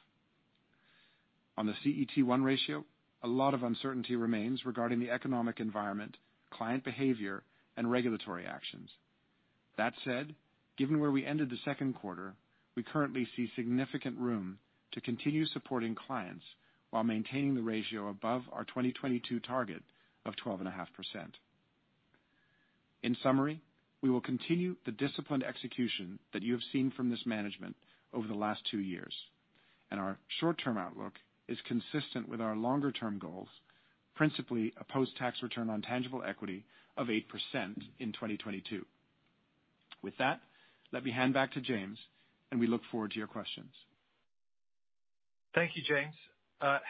On the CET1 ratio, a lot of uncertainty remains regarding the economic environment, client behavior, and regulatory actions. That said, given where we ended the second quarter, we currently see significant room to continue supporting clients while maintaining the ratio above our 2022 target of 12.5%. In summary, we will continue the disciplined execution that you have seen from this management over the last two years, and our short-term outlook is consistent with our longer-term goals, principally a post-tax return on tangible equity of 8% in 2022. With that, let me hand back to James, and we look forward to your questions. Thank you, James.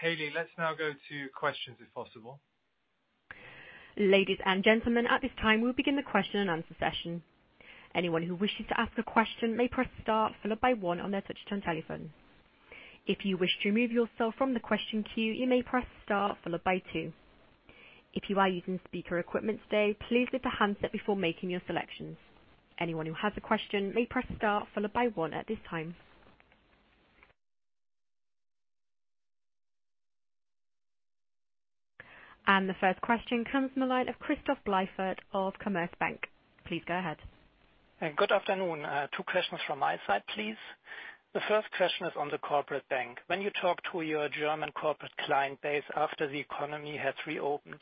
Hailey, let's now go to questions if possible. Ladies and gentlemen, at this time, we'll begin the question and answer session. Anyone who wishes to ask a question may press star followed by one on their touch-tone telephone. If you wish to remove yourself from the question queue, you may press star followed by two. If you are using speaker equipment today, please lift the handset before making your selections. Anyone who has a question may press star followed by one at this time. The first question comes from the line of Christoph Blieffert of Commerzbank. Please go ahead. Good afternoon. Two questions from my side, please. The first question is on the corporate bank. When you talk to your German corporate client base after the economy has reopened,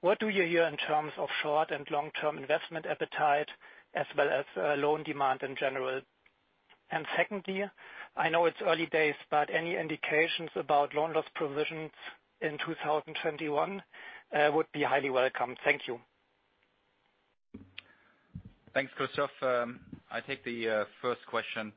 what do you hear in terms of short- and long-term investment appetite as well as loan demand in general? Secondly, I know it's early days, but any indications about loan loss provisions in 2021 would be highly welcome. Thank you. Thanks, Christoph. I take the first question.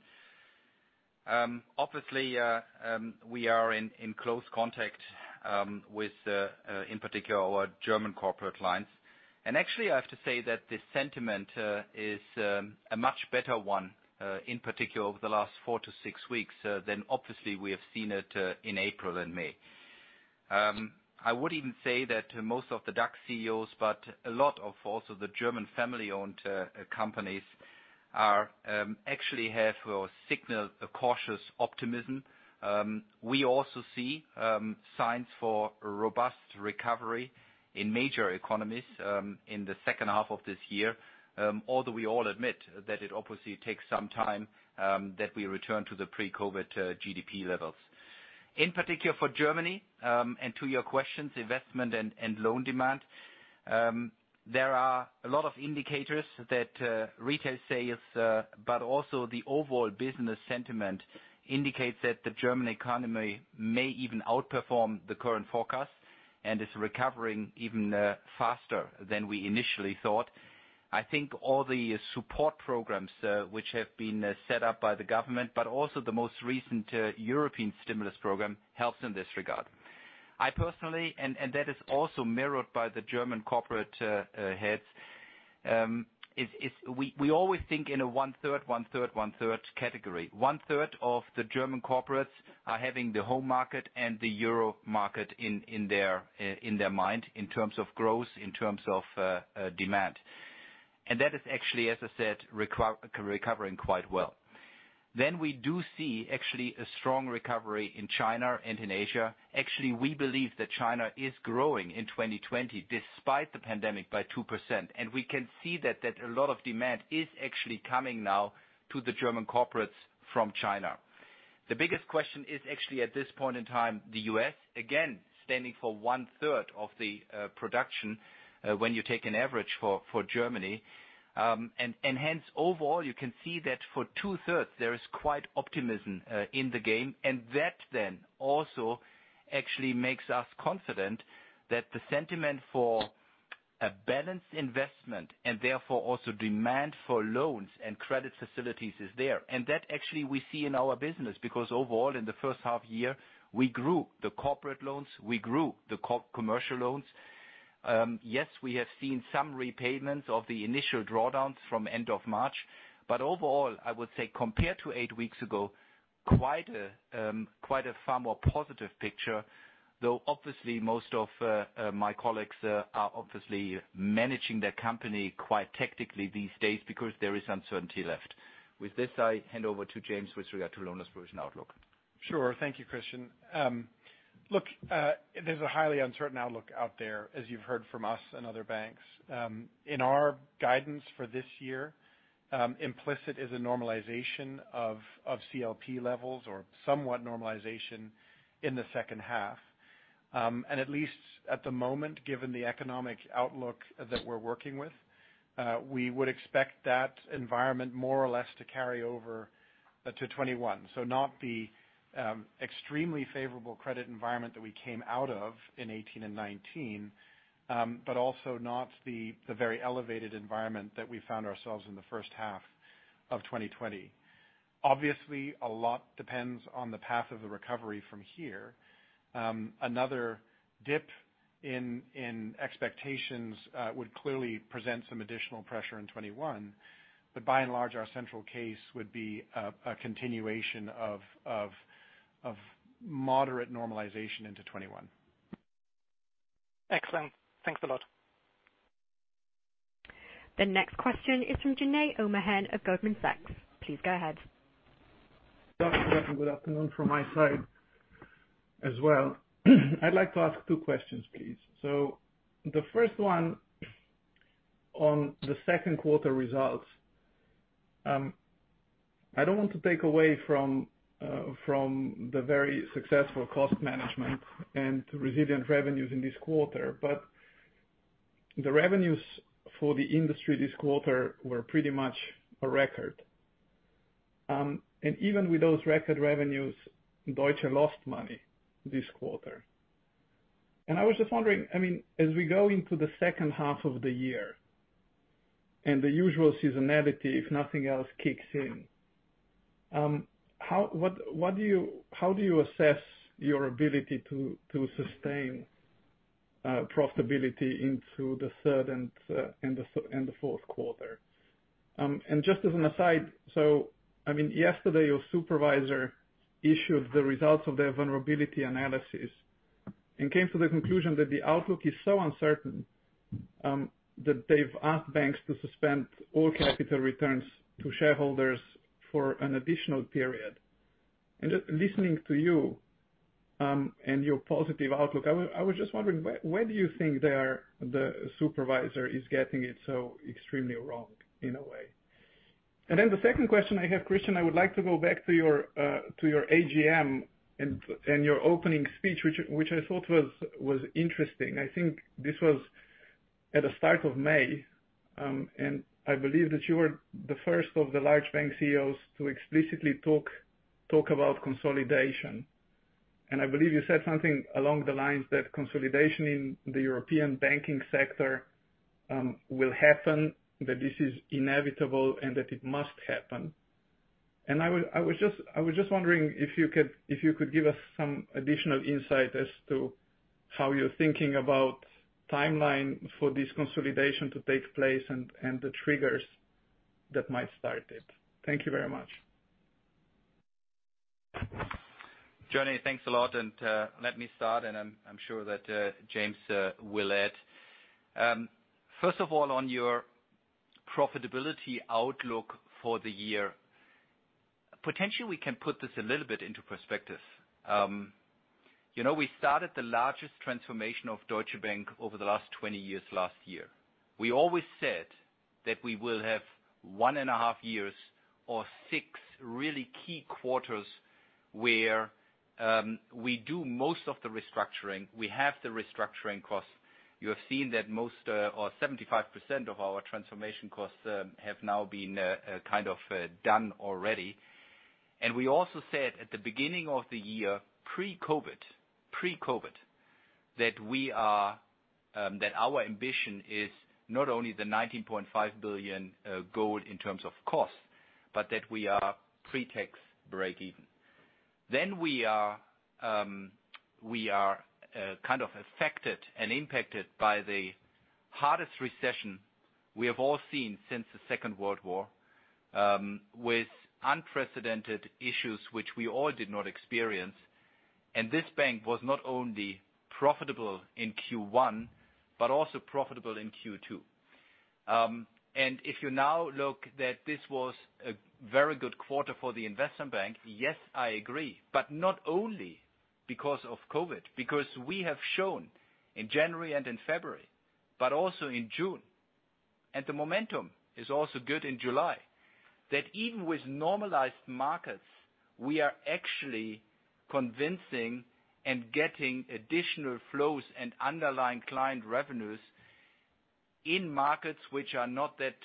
Actually, I have to say that the sentiment is a much better one, in particular over the last four to six weeks than obviously we have seen it in April and May. I would even say that most of the DAX CEOs, but a lot of also the German family-owned companies actually have signaled a cautious optimism. We also see signs for robust recovery in major economies in the second half of this year, although we all admit that it obviously takes some time that we return to the pre-COVID GDP levels. In particular for Germany, and to your questions, investment and loan demand, there are a lot of indicators that retail sales but also the overall business sentiment indicates that the German economy may even outperform the current forecast and is recovering even faster than we initially thought. I think all the support programs, which have been set up by the government, but also the most recent European stimulus program, helps in this regard. I personally, and that is also mirrored by the German corporate heads, we always think in a 1/3 category. 1/3 of the German corporates are having the home market and the euro market in their mind in terms of growth, in terms of demand. That is actually, as I said, recovering quite well. We do see actually a strong recovery in China and in Asia. Actually, we believe that China is growing in 2020 despite the pandemic by 2%. We can see that a lot of demand is actually coming now to the German corporates from China. The biggest question is actually at this point in time, the U.S., again, standing for 1/3 of the production, when you take an average for Germany. Hence, overall, you can see that for 2/3, there is quite optimism in the game, and that then also actually makes us confident that the sentiment for a balanced investment and therefore also demand for loans and credit facilities is there. That actually we see in our business, because overall in the first half year, we grew the corporate loans, we grew the commercial loans. Yes, we have seen some repayments of the initial drawdowns from end of March. Overall, I would say compared to eight weeks ago, quite a far more positive picture, though obviously most of my colleagues are obviously managing their company quite tactically these days because there is uncertainty left. With this, I hand over to James with regard to loan loss provision outlook. Sure. Thank you, Christian. Look, there's a highly uncertain outlook out there, as you've heard from us and other banks. In our guidance for this year, implicit is a normalization of CLP levels or somewhat normalization in the second half. At least at the moment, given the economic outlook that we're working with, we would expect that environment more or less to carry over to 2021. Not the extremely favorable credit environment that we came out of in 2018 and 2019, but also not the very elevated environment that we found ourselves in the first half of 2020. Obviously, a lot depends on the path of the recovery from here. Another dip in expectations would clearly present some additional pressure in 2021, by and large, our central case would be a continuation of moderate normalization into 2021. Excellent. Thanks a lot. The next question is from Jernej Omahen of Goldman Sachs. Please go ahead. Good afternoon from my side as well. I'd like to ask two questions, please. The first one on the second quarter results. I don't want to take away from the very successful cost management and resilient revenues in this quarter, the revenues for the industry this quarter were pretty much a record. Even with those record revenues, Deutsche lost money this quarter. I was just wondering, as we go into the second half of the year, and the usual seasonality, if nothing else, kicks in, how do you assess your ability to sustain profitability into the third and the fourth quarter? Just as an aside, yesterday, your supervisor issued the results of their vulnerability analysis and came to the conclusion that the outlook is so uncertain that they've asked banks to suspend all capital returns to shareholders for an additional period. Just listening to you, and your positive outlook, I was just wondering, where do you think the supervisor is getting it so extremely wrong in a way? The second question I have, Christian, I would like to go back to your AGM and your opening speech, which I thought was interesting. I think this was at the start of May. I believe that you were the first of the large bank CEOs to explicitly talk about consolidation. I believe you said something along the lines that consolidation in the European banking sector will happen, that this is inevitable, and that it must happen. I was just wondering if you could give us some additional insight as to how you're thinking about timeline for this consolidation to take place and the triggers that might start it. Thank you very much. Jernej, thanks a lot. Let me start, and I'm sure that James will add. First of all, on your profitability outlook for the year, potentially we can put this a little bit into perspective. We started the largest transformation of Deutsche Bank over the last 20 years last year. We always said that we will have one and a half years or six really key quarters where we do most of the restructuring. We have the restructuring costs. You have seen that most or 75% of our transformation costs have now been kind of done already. We also said at the beginning of the year, pre-COVID, that our ambition is not only the 19.5 billion goal in terms of cost, but that we are pre-tax breakeven. We are kind of affected and impacted by the hardest recession we have all seen since the Second World War, with unprecedented issues which we all did not experience. This bank was not only profitable in Q1 but also profitable in Q2. If you now look that this was a very good quarter for the investment bank, yes, I agree, but not only because of COVID, because we have shown in January and in February, but also in June, and the momentum is also good in July, that even with normalized markets, we are actually convincing and getting additional flows and underlying client revenues in markets which are not that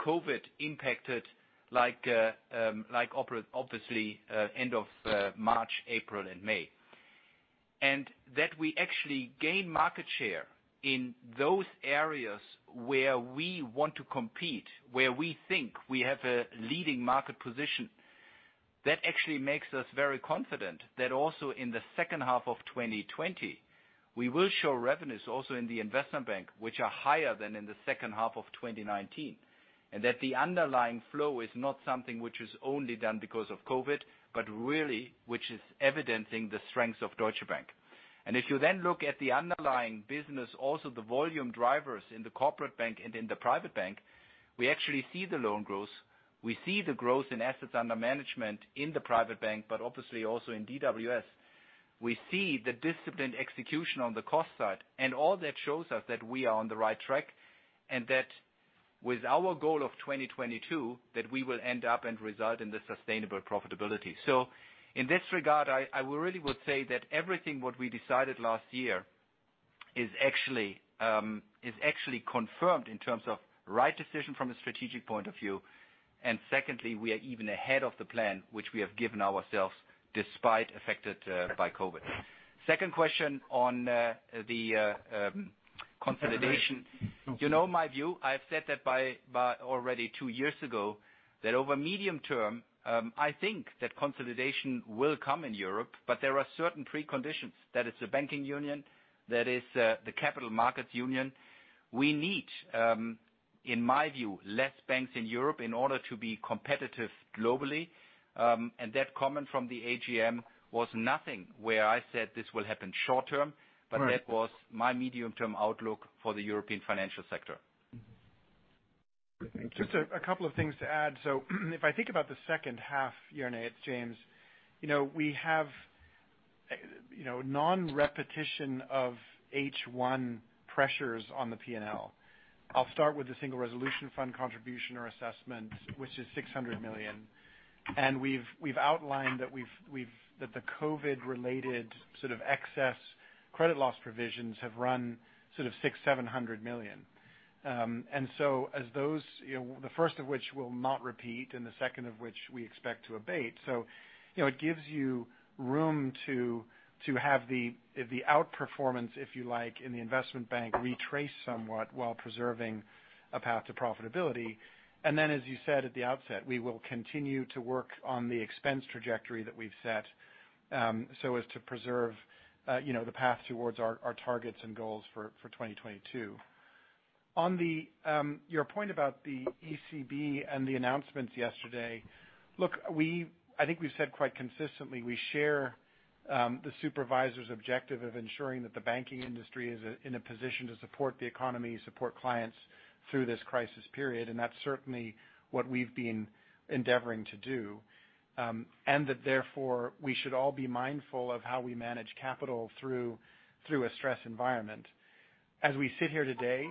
COVID impacted, like obviously end of March, April, and May. That we actually gain market share in those areas where we want to compete, where we think we have a leading market position. That actually makes us very confident that also in the second half of 2020, we will show revenues also in the investment bank, which are higher than in the second half of 2019, and that the underlying flow is not something which is only done because of COVID, but really which is evidencing the strengths of Deutsche Bank. If you then look at the underlying business, also the volume drivers in the corporate bank and in the private bank, we actually see the loan growth. We see the growth in assets under management in the private bank, but obviously also in DWS. We see the disciplined execution on the cost side. All that shows us that we are on the right track and with our goal of 2022, that we will end up and result in the sustainable profitability. In this regard, I really would say that everything what we decided last year is actually confirmed in terms of right decision from a strategic point of view. Secondly, we are even ahead of the plan, which we have given ourselves despite affected by COVID. Second question on the consolidation. You know my view. I've said that by already two years ago, that over medium term, I think that consolidation will come in Europe, but there are certain preconditions. That is the Banking Union, that is the Capital Markets Union. We need, in my view, less banks in Europe in order to be competitive globally. That comment from the AGM was nothing where I said this will happen short term. Right. That was my medium-term outlook for the European financial sector. Thank you. Just a couple of things to add. If I think about the second half, Jernej, it's James. We have non-repetition of H1 pressures on the P&L. I'll start with the Single Resolution Fund contribution or assessment, which is 600 million. We've outlined that the COVID related sort of excess credit loss provisions have run sort of 600 million-700 million. As those, the first of which will not repeat and the second of which we expect to abate, it gives you room to have the outperformance, if you like, in the investment bank retrace somewhat while preserving a path to profitability. As you said at the outset, we will continue to work on the expense trajectory that we've set, so as to preserve the path towards our targets and goals for 2022. On your point about the ECB and the announcements yesterday, look, I think we've said quite consistently, we share the supervisor's objective of ensuring that the banking industry is in a position to support the economy, support clients through this crisis period, and that's certainly what we've been endeavoring to do. That therefore, we should all be mindful of how we manage capital through a stress environment. As we sit here today,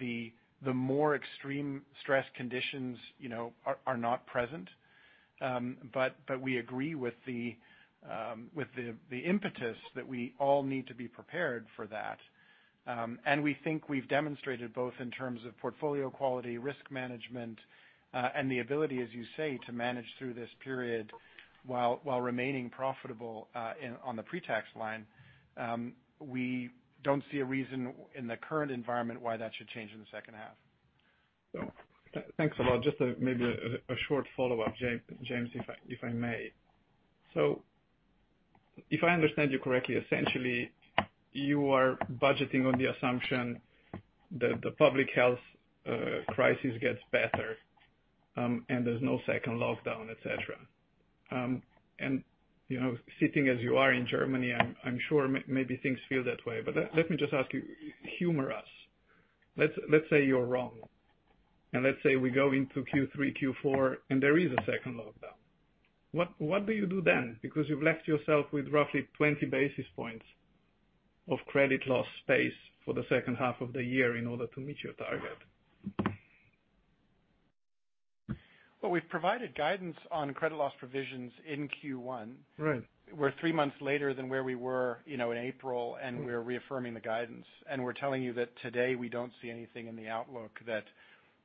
the more extreme stress conditions are not present. We agree with the impetus that we all need to be prepared for that. We think we've demonstrated both in terms of portfolio quality, risk management, and the ability, as you say, to manage through this period while remaining profitable on the pre-tax line. We don't see a reason in the current environment why that should change in the second half. Thanks a lot. Just maybe a short follow-up, James, if I may. If I understand you correctly, essentially, you are budgeting on the assumption that the public health crisis gets better, and there's no second lockdown, et cetera. Sitting as you are in Germany, I'm sure maybe things feel that way. Let me just ask you, humor us. Let's say you're wrong, and let's say we go into Q3, Q4, and there is a second lockdown. What do you do then? You've left yourself with roughly 20 basis points of credit loss space for the second half of the year in order to meet your target. Well, we've provided guidance on credit loss provisions in Q1. Right. We're three months later than where we were in April, and we're reaffirming the guidance. We're telling you that today we don't see anything in the outlook that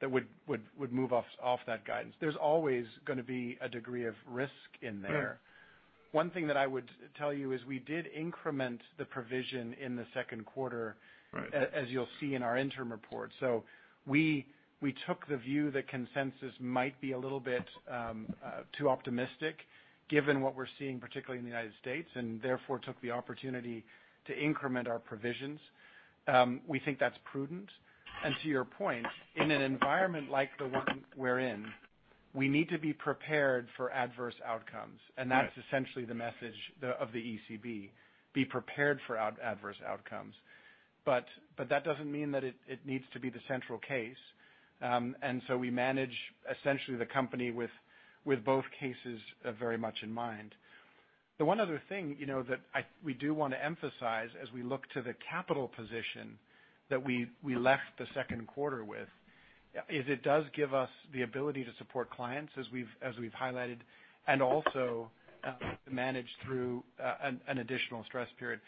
would move us off that guidance. There's always going to be a degree of risk in there. Right. One thing that I would tell you is we did increment the provision in the second quarter. Right. As you'll see in our interim report. We took the view that consensus might be a little bit too optimistic given what we're seeing, particularly in United States, and therefore took the opportunity to increment our provisions. We think that's prudent. To your point, in an environment like the one we're in, we need to be prepared for adverse outcomes. Right. That's essentially the message of the ECB. That doesn't mean that it needs to be the central case. So we manage essentially the company with both cases very much in mind. The one other thing that we do want to emphasize as we look to the capital position that we left the second quarter with, is it does give us the ability to support clients as we've highlighted, and also manage through an additional stress period.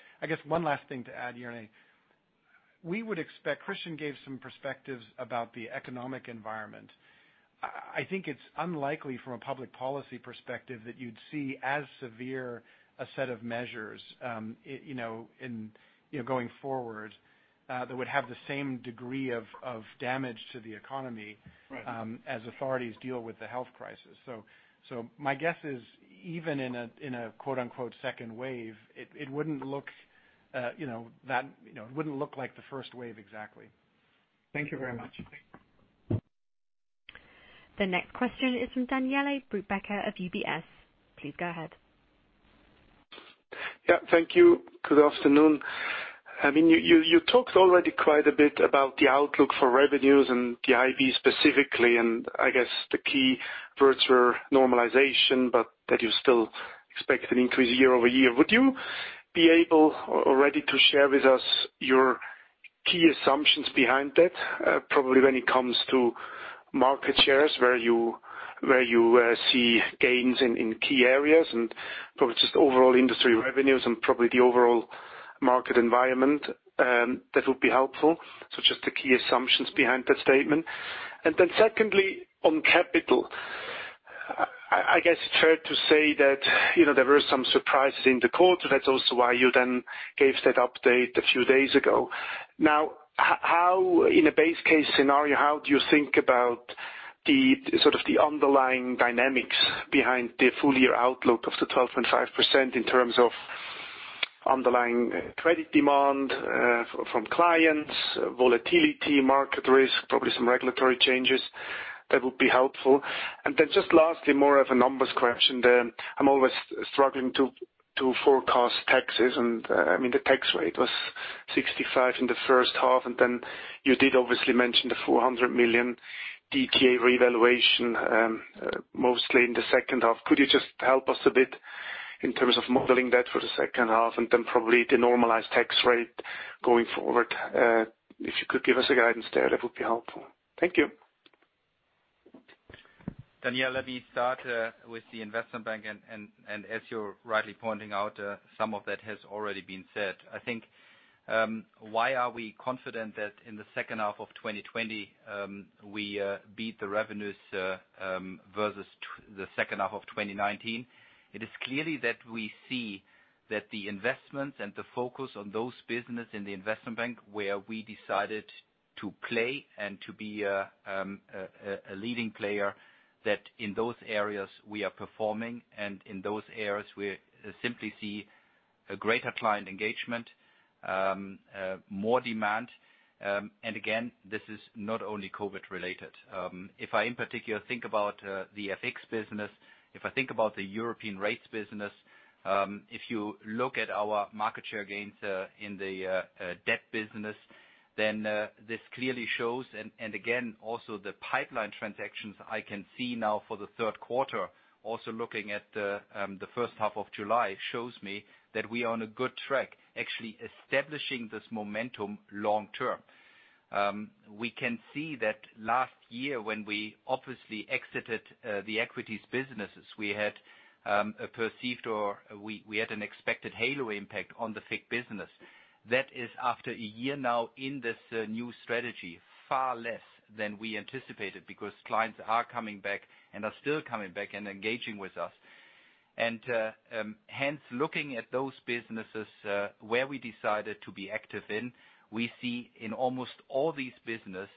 One last thing to add, Jeroen, we would expect Christian gave some perspectives about the economic environment. I think it's unlikely from a public policy perspective that you'd see as severe a set of measures going forward, that would have the same degree of damage to the economy- Right. As authorities deal with the health crisis. My guess is even in a quote unquote "second wave," it wouldn't look like the first wave exactly. Thank you very much. The next question is from Daniele Brupbacher of UBS. Please go ahead. Thank you. Good afternoon. You talked already quite a bit about the outlook for revenues and the IB specifically. I guess the key words were normalization, that you still expect an increase year-over-year. Would you be able already to share with us your key assumptions behind that, probably when it comes to market shares, where you see gains in key areas and probably just overall industry revenues and probably the overall market environment, that would be helpful. Just the key assumptions behind that statement. Secondly, on capital, I guess it's fair to say that there were some surprises in the quarter. That's also why you then gave that update a few days ago. In a base case scenario, how do you think about the underlying dynamics behind the full-year outlook of the 12.5% in terms of underlying credit demand from clients, volatility, market risk, probably some regulatory changes? That would be helpful. Just lastly, more of a numbers question then. I'm always struggling to forecast taxes, and the tax rate was 65% in the first half, and then you did obviously mention the 400 million DTA revaluation mostly in the second half. Could you just help us a bit in terms of modeling that for the second half and then probably the normalized tax rate going forward? If you could give us a guidance there, that would be helpful. Thank you. Daniele, let me start with the Investment Bank, as you're rightly pointing out, some of that has already been said. I think, why are we confident that in the second half of 2020, we beat the revenues versus the second half of 2019? It is clearly that we see that the investments and the focus on those business in the Investment Bank where we decided to play and to be a leading player, that in those areas we are performing, in those areas, we simply see a greater client engagement, more demand. Again, this is not only COVID related. If I, in particular, think about the FX business, if I think about the European rates business, if you look at our market share gains in the debt business, then this clearly shows. Again, also the pipeline transactions I can see now for the third quarter, also looking at the first half of July, shows me that we are on a good track, actually establishing this momentum long-term. We can see that last year when we obviously exited the equities businesses, we had perceived or we had an expected halo impact on the FIC business. That is after a year now in this new strategy, far less than we anticipated because clients are coming back and are still coming back and engaging with us. Hence, looking at those businesses where we decided to be active in, we see in almost all these business,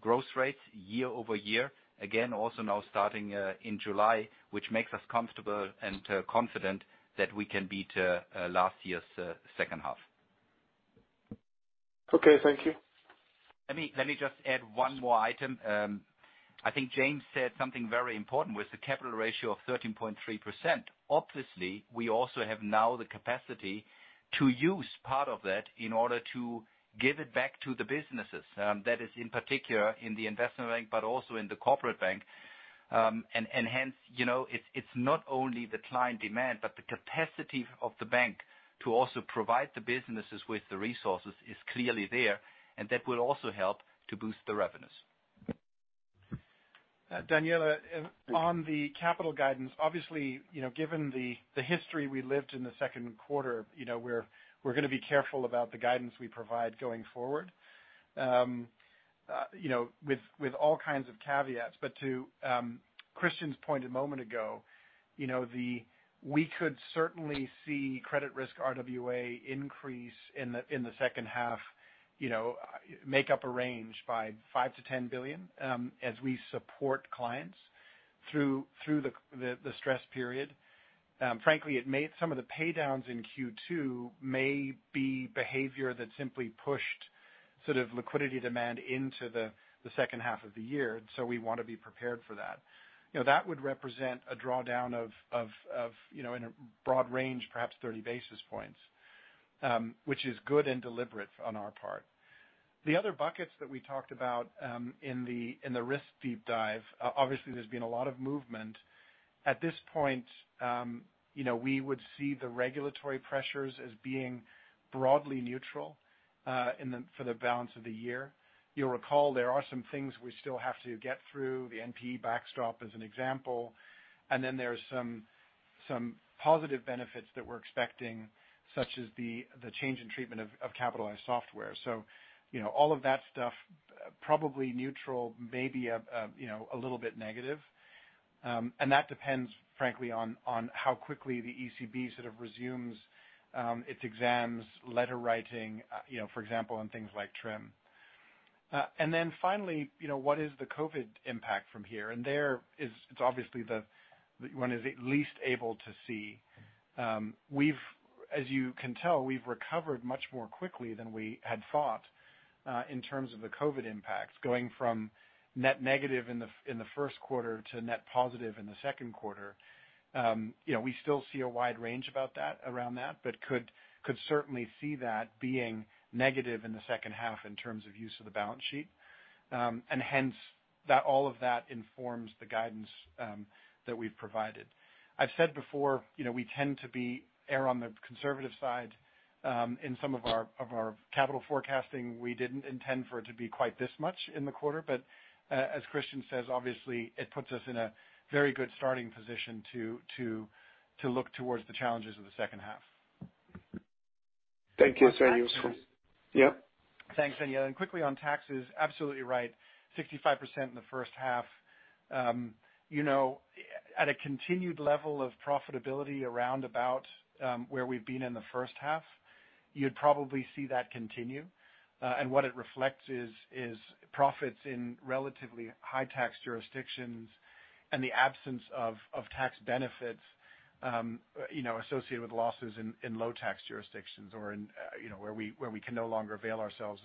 growth rates year-over-year, again, also now starting in July, which makes us comfortable and confident that we can beat last year's second half. Okay, thank you. Let me just add one more item. I think James said something very important. With the capital ratio of 13.3%, obviously, we also have now the capacity to use part of that in order to give it back to the businesses. That is in particular in the investment bank, but also in the corporate bank. Hence, it's not only the client demand, but the capacity of the bank to also provide the businesses with the resources is clearly there, and that will also help to boost the revenues. Daniele, on the capital guidance, obviously, given the history we lived in the second quarter, we are going to be careful about the guidance we provide going forward with all kinds of caveats. To Christian's point a moment ago, we could certainly see credit risk RWA increase in the second half, make up a range by 5 billion-10 billion as we support clients through the stress period. Frankly, some of the pay downs in Q2 may be behavior that simply pushed sort of liquidity demand into the second half of the year. We want to be prepared for that. That would represent a drawdown in a broad range, perhaps 30 basis points, which is good and deliberate on our part. The other buckets that we talked about in the risk deep dive, obviously, there has been a lot of movement. At this point, we would see the regulatory pressures as being broadly neutral for the balance of the year. You'll recall there are some things we still have to get through, the NPE backstop as an example. There are some positive benefits that we're expecting, such as the change in treatment of capitalized software. All of that stuff, probably neutral, maybe a little bit negative. That depends, frankly, on how quickly the ECB sort of resumes its exams, letter writing, for example, on things like TRIM. Finally, what is the COVID impact from here? There, it's obviously the one is at least able to see. As you can tell, we've recovered much more quickly than we had thought, in terms of the COVID impacts, going from net negative in the first quarter to net positive in the second quarter. We still see a wide range around that but could certainly see that being negative in the second half in terms of use of the balance sheet. That all of that informs the guidance that we've provided. I've said before, we tend to err on the conservative side in some of our capital forecasting. We didn't intend for it to be quite this much in the quarter, but as Christian says, obviously it puts us in a very good starting position to look towards the challenges of the second half. Thank you. It's very useful. Yep. Thanks, Daniele. Quickly on taxes, absolutely right. 65% in the first half. At a continued level of profitability around about where we've been in the first half, you'd probably see that continue. What it reflects is profits in relatively high tax jurisdictions and the absence of tax benefits associated with losses in low tax jurisdictions or where we can no longer avail ourselves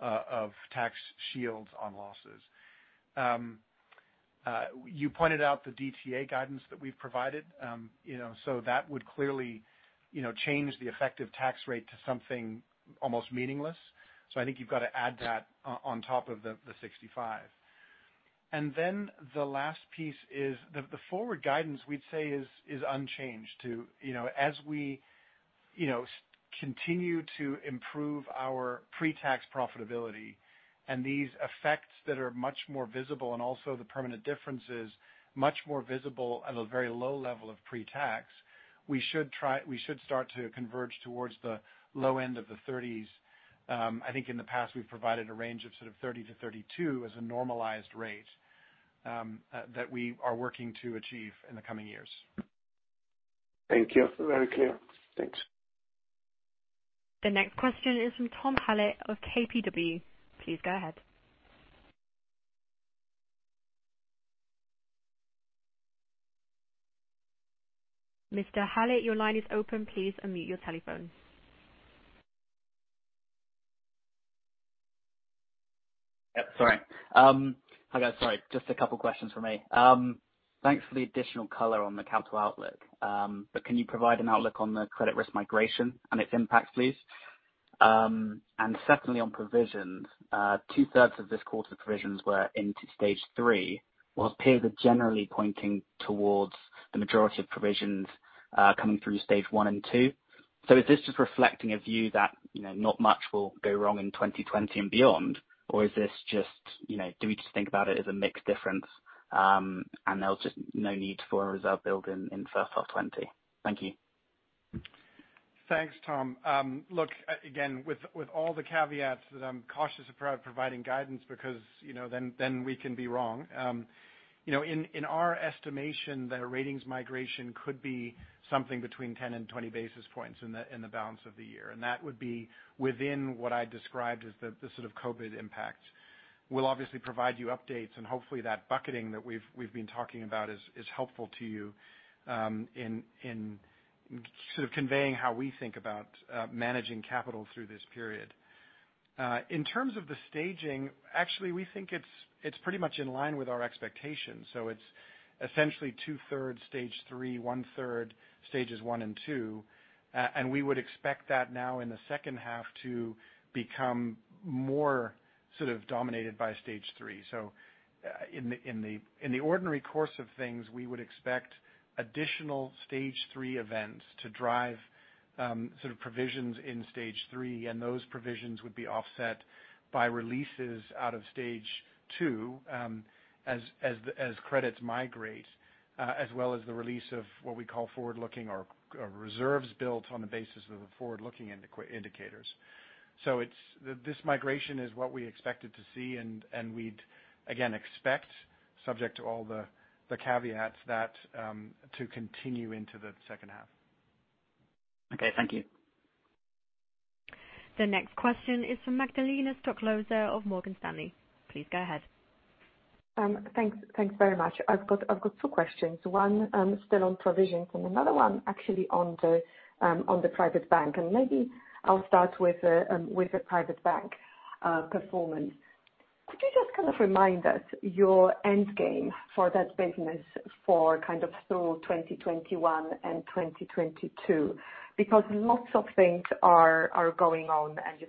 of tax shields on losses. You pointed out the DTA guidance that we've provided. That would clearly change the effective tax rate to something almost meaningless. I think you've got to add that on top of the 65. The last piece is the forward guidance we'd say is unchanged to, as we continue to improve our pre-tax profitability and these effects that are much more visible and also the permanent differences much more visible at a very low level of pre-tax, we should start to converge towards the low end of the 30s. I think in the past, we've provided a range of sort of 30%-32% as a normalized rate that we are working to achieve in the coming years. Thank you. Very clear. Thanks. The next question is from Tom Hallett of KBW. Please go ahead. Mr. Hallett, your line is open. Please unmute your telephone. Yep, sorry. Hi, guys. Sorry, just a couple questions from me. Thanks for the additional color on the capital outlook. Can you provide an outlook on the credit risk migration and its impact, please? secondly, on provisions, 2/3 of this quarter provisions were into Stage 3, whilst peers are generally pointing towards the majority of provisions coming through Stage 1 and 2. Is this just reflecting a view that not much will go wrong in 2020 and beyond? Do we just think about it as a mixed difference, and there's just no need for a reserve build in first of 2020? Thank you. Thanks, Tom. Again, with all the caveats that I'm cautious about providing guidance because then we can be wrong. In our estimation, the ratings migration could be something between 10 and 20 basis points in the balance of the year, and that would be within what I described as the sort of COVID impact. We'll obviously provide you updates. Hopefully that bucketing that we've been talking about is helpful to you in sort of conveying how we think about managing capital through this period. In terms of the staging, actually, we think it's pretty much in line with our expectations. It's essentially 2/3 Stage 3, 1/3 Stages 1 and 2. We would expect that now in the second half to become more sort of dominated by Stage 3. In the ordinary course of things, we would expect additional Stage 3 events to drive sort of provisions in Stage 3, those provisions would be offset by releases out of Stage 2 as credits migrate, as well as the release of what we call forward-looking or reserves built on the basis of the forward-looking indicators. This migration is what we expected to see, we'd again expect, subject to all the caveats, that to continue into the second half. Okay, thank you. The next question is from Magdalena Stoklosa of Morgan Stanley. Please go ahead. Thanks very much. I've got two questions. One, still on provisions, another one actually on the private bank. Maybe I'll start with the private bank performance. Could you just kind of remind us your end game for that business for kind of through 2021 and 2022? Lots of things are going on, and you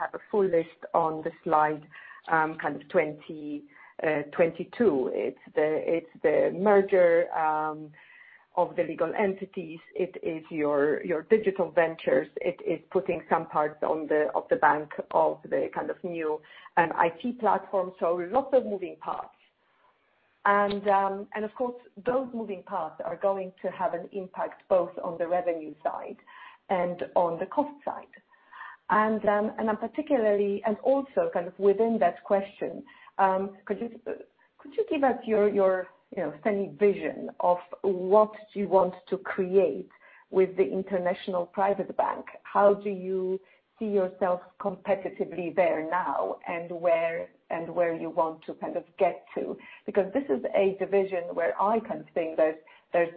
have a full list on the slide, kind of 2022. It's the merger of the legal entities. It is your digital ventures. It is putting some parts of the bank of the kind of new IT platform. Lots of moving parts. Of course, those moving parts are going to have an impact both on the revenue side and on the cost side. Also kind of within that question, could you give us your semi vision of what you want to create with the International Private Bank? How do you see yourself competitively there now, and where you want to kind of get to? This is a division where I kind of think there's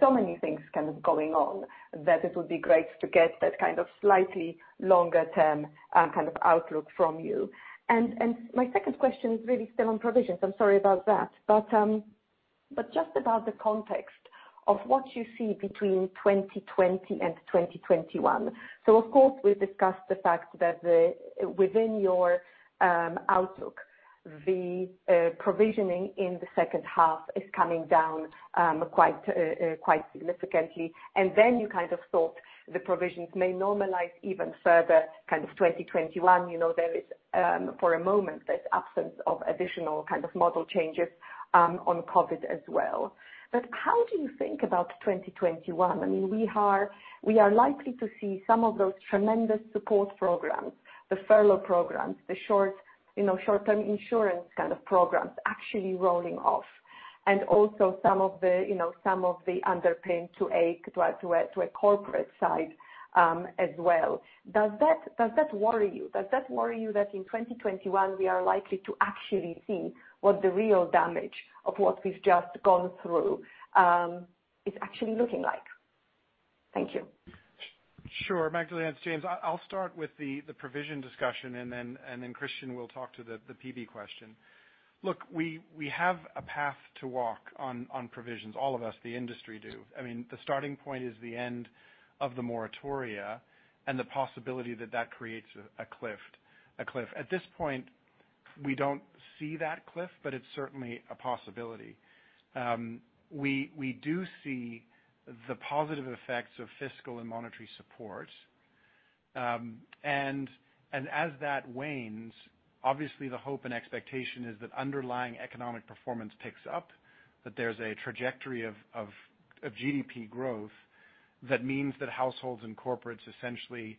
so many things kind of going on that it would be great to get that kind of slightly longer-term kind of outlook from you. My second question is really still on provisions. I'm sorry about that. But just about the context of what you see between 2020 and 2021. Of course, we've discussed the fact that within your outlook, the provisioning in the second half is coming down quite significantly. Then you kind of thought the provisions may normalize even further kind of 2021. There is for a moment, this absence of additional kind of model changes on COVID as well. How do you think about 2021? We are likely to see some of those tremendous support programs, the furlough programs, the short-term insurance kind of programs actually rolling off. Also some of the underpin to a corporate side as well. Does that worry you? Does that worry you that in 2021 we are likely to actually see what the real damage of what we've just gone through is actually looking like? Thank you. Sure. Magdalena, it's James. I'll start with the provision discussion. Christian will talk to the PB question. Look, we have a path to walk on provisions, all of us, the industry do. The starting point is the end of the moratoria and the possibility that creates a cliff. At this point, we don't see that cliff, it's certainly a possibility. We do see the positive effects of fiscal and monetary support. As that wanes, obviously the hope and expectation is that underlying economic performance picks up, that there's a trajectory of GDP growth. That means that households and corporates essentially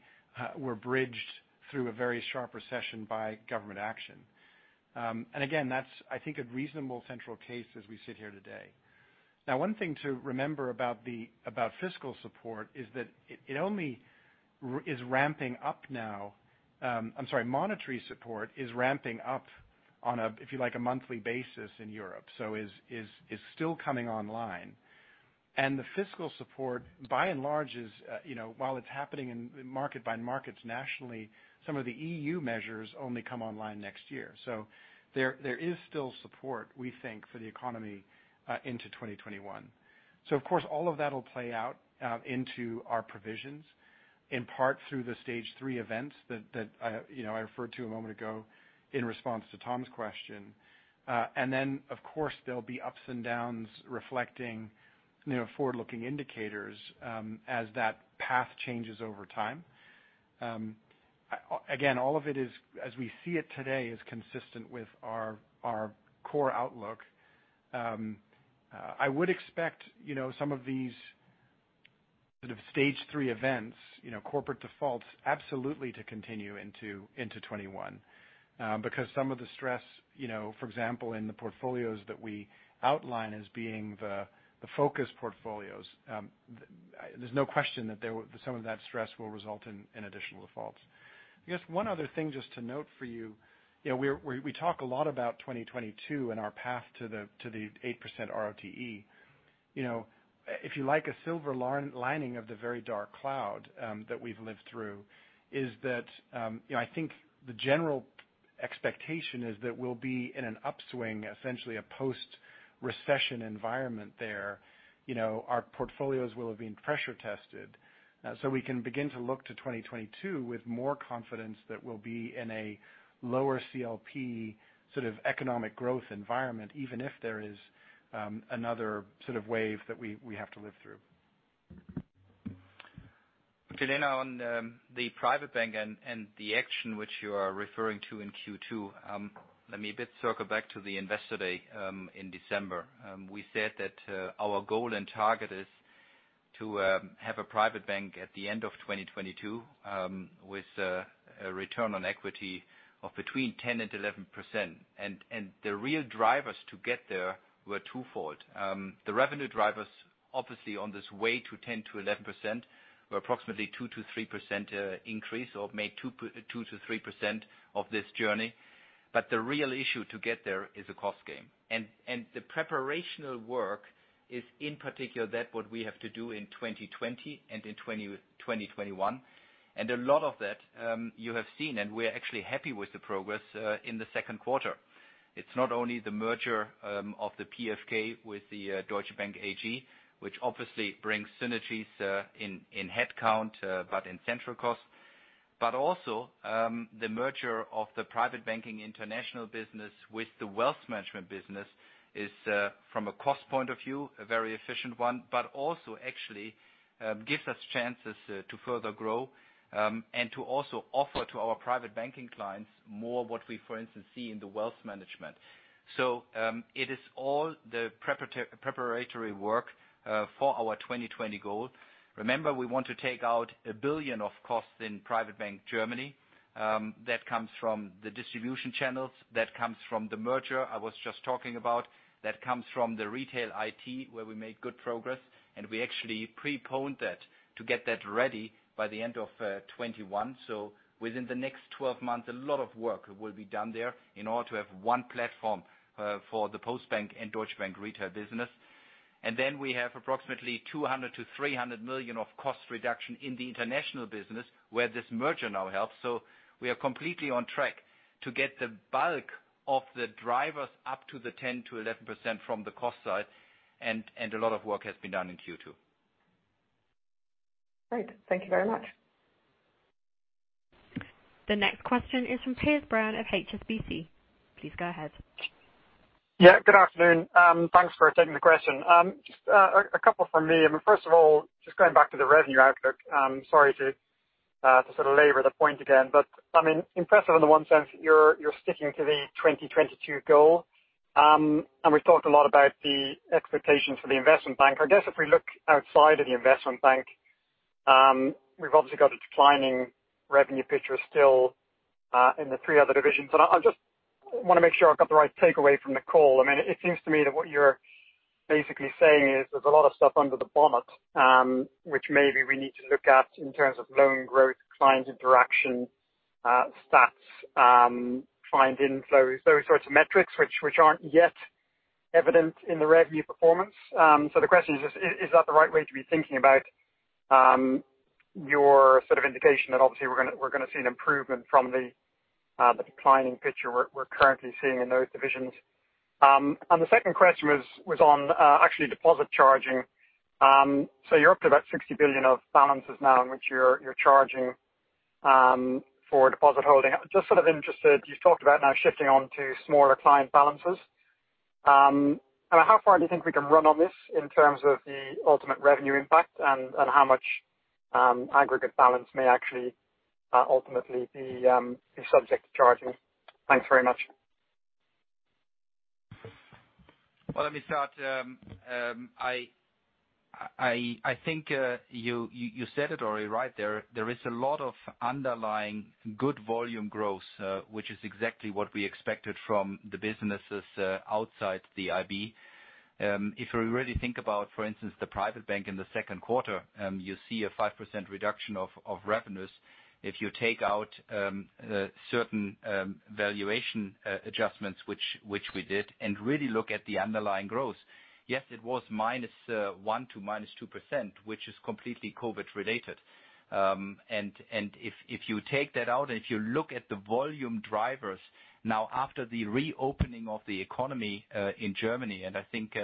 were bridged through a very sharp recession by government action. Again, that's, I think, a reasonable central case as we sit here today. Now, one thing to remember about fiscal support is that it only is ramping up now. I'm sorry, monetary support is ramping up on a, if you like, a monthly basis in Europe, so is still coming online. The fiscal support, by and large, while it is happening in market by markets nationally, some of the EU measures only come online next year. There is still support, we think, for the economy into 2021. Of course, all of that will play out into our provisions, in part through the Stage 3 events that I referred to a moment ago in response to Tom's question. Of course, there will be ups and downs reflecting forward-looking indicators as that path changes over time. Again, all of it as we see it today is consistent with our core outlook. I would expect some of these sort of Stage 3 events, corporate defaults, absolutely to continue into 2021. Some of the stress, for example, in the portfolios that we outline as being the focus portfolios. There's no question that some of that stress will result in additional defaults. I guess one other thing just to note for you, we talk a lot about 2022 and our path to the 8% RTE. If you like, a silver lining of the very dark cloud that we've lived through is that I think the general expectation is that we'll be in an upswing, essentially a post-recession environment there. Our portfolios will have been pressure tested. We can begin to look to 2022 with more confidence that we'll be in a lower CLP sort of economic growth environment, even if there is another sort of wave that we have to live through. Magdalena, on the Private Bank and the action which you are referring to in Q2, let me a bit circle back to the Investor Day in December. We said that our goal and target is to have a Private Bank at the end of 2022 with a return on equity of between 10% and 11%. The real drivers to get there were twofold. The revenue drivers, obviously, on this way to 10%-11%, were approximately 2%-3% increase, or made 2%-3% of this journey. The real issue to get there is a cost game. The preparational work is in particular that what we have to do in 2020 and in 2021. A lot of that you have seen, and we're actually happy with the progress in the second quarter. It's not only the merger of the PFK with the Deutsche Bank AG, which obviously brings synergies in headcount, but in central cost. Also the merger of the private banking international business with the wealth management business is, from a cost point of view, a very efficient one, but also actually gives us chances to further grow and to also offer to our private banking clients more what we, for instance, see in the wealth management. It is all the preparatory work for our 2020 goal. Remember, we want to take out 1 billion of costs in private bank Germany. That comes from the distribution channels, that comes from the merger I was just talking about, that comes from the retail IT, where we made good progress. We actually preponed that to get that ready by the end of 2021. Within the next 12 months, a lot of work will be done there in order to have one platform for the Postbank and Deutsche Bank retail business. Then we have approximately 200 million-300 million of cost reduction in the international business where this merger now helps. We are completely on track to get the bulk of the drivers up to the 10%-11% from the cost side, and a lot of work has been done in Q2. Great. Thank you very much. The next question is from Piers Brown of HSBC. Please go ahead. Yeah, good afternoon. Thanks for taking the question. Just a couple from me. First of all, just going back to the revenue outlook, sorry to sort of labor the point again, but impressive in the one sense, you're sticking to the 2022 goal. We've talked a lot about the expectations for the Investment Bank. I guess if we look outside of the Investment Bank, we've obviously got a declining revenue picture still, in the three other divisions. I just want to make sure I've got the right takeaway from the call. It seems to me that what you're basically saying is there's a lot of stuff under the bonnet, which maybe we need to look at in terms of loan growth, client interaction, stats, client inflow, those sorts of metrics which aren't yet evident in the revenue performance. The question is that the right way to be thinking about your sort of indication that obviously we're going to see an improvement from the declining picture we're currently seeing in those divisions? The second question was on actually deposit charging. You're up to about 60 billion of balances now in which you're charging for deposit holding. Just sort of interested, you talked about now shifting on to smaller client balances. How far do you think we can run on this in terms of the ultimate revenue impact and how much aggregate balance may actually ultimately be subject to charging? Thanks very much. Well, let me start. I think you said it already right there. There is a lot of underlying good volume growth, which is exactly what we expected from the businesses outside the IB. If we really think about, for instance, the private bank in the second quarter, you see a 5% reduction of revenues. If you take out certain valuation adjustments, which we did, and really look at the underlying growth, yes, it was -1% to -2%, which is completely COVID related. If you take that out and if you look at the volume drivers now after the reopening of the economy in Germany, I think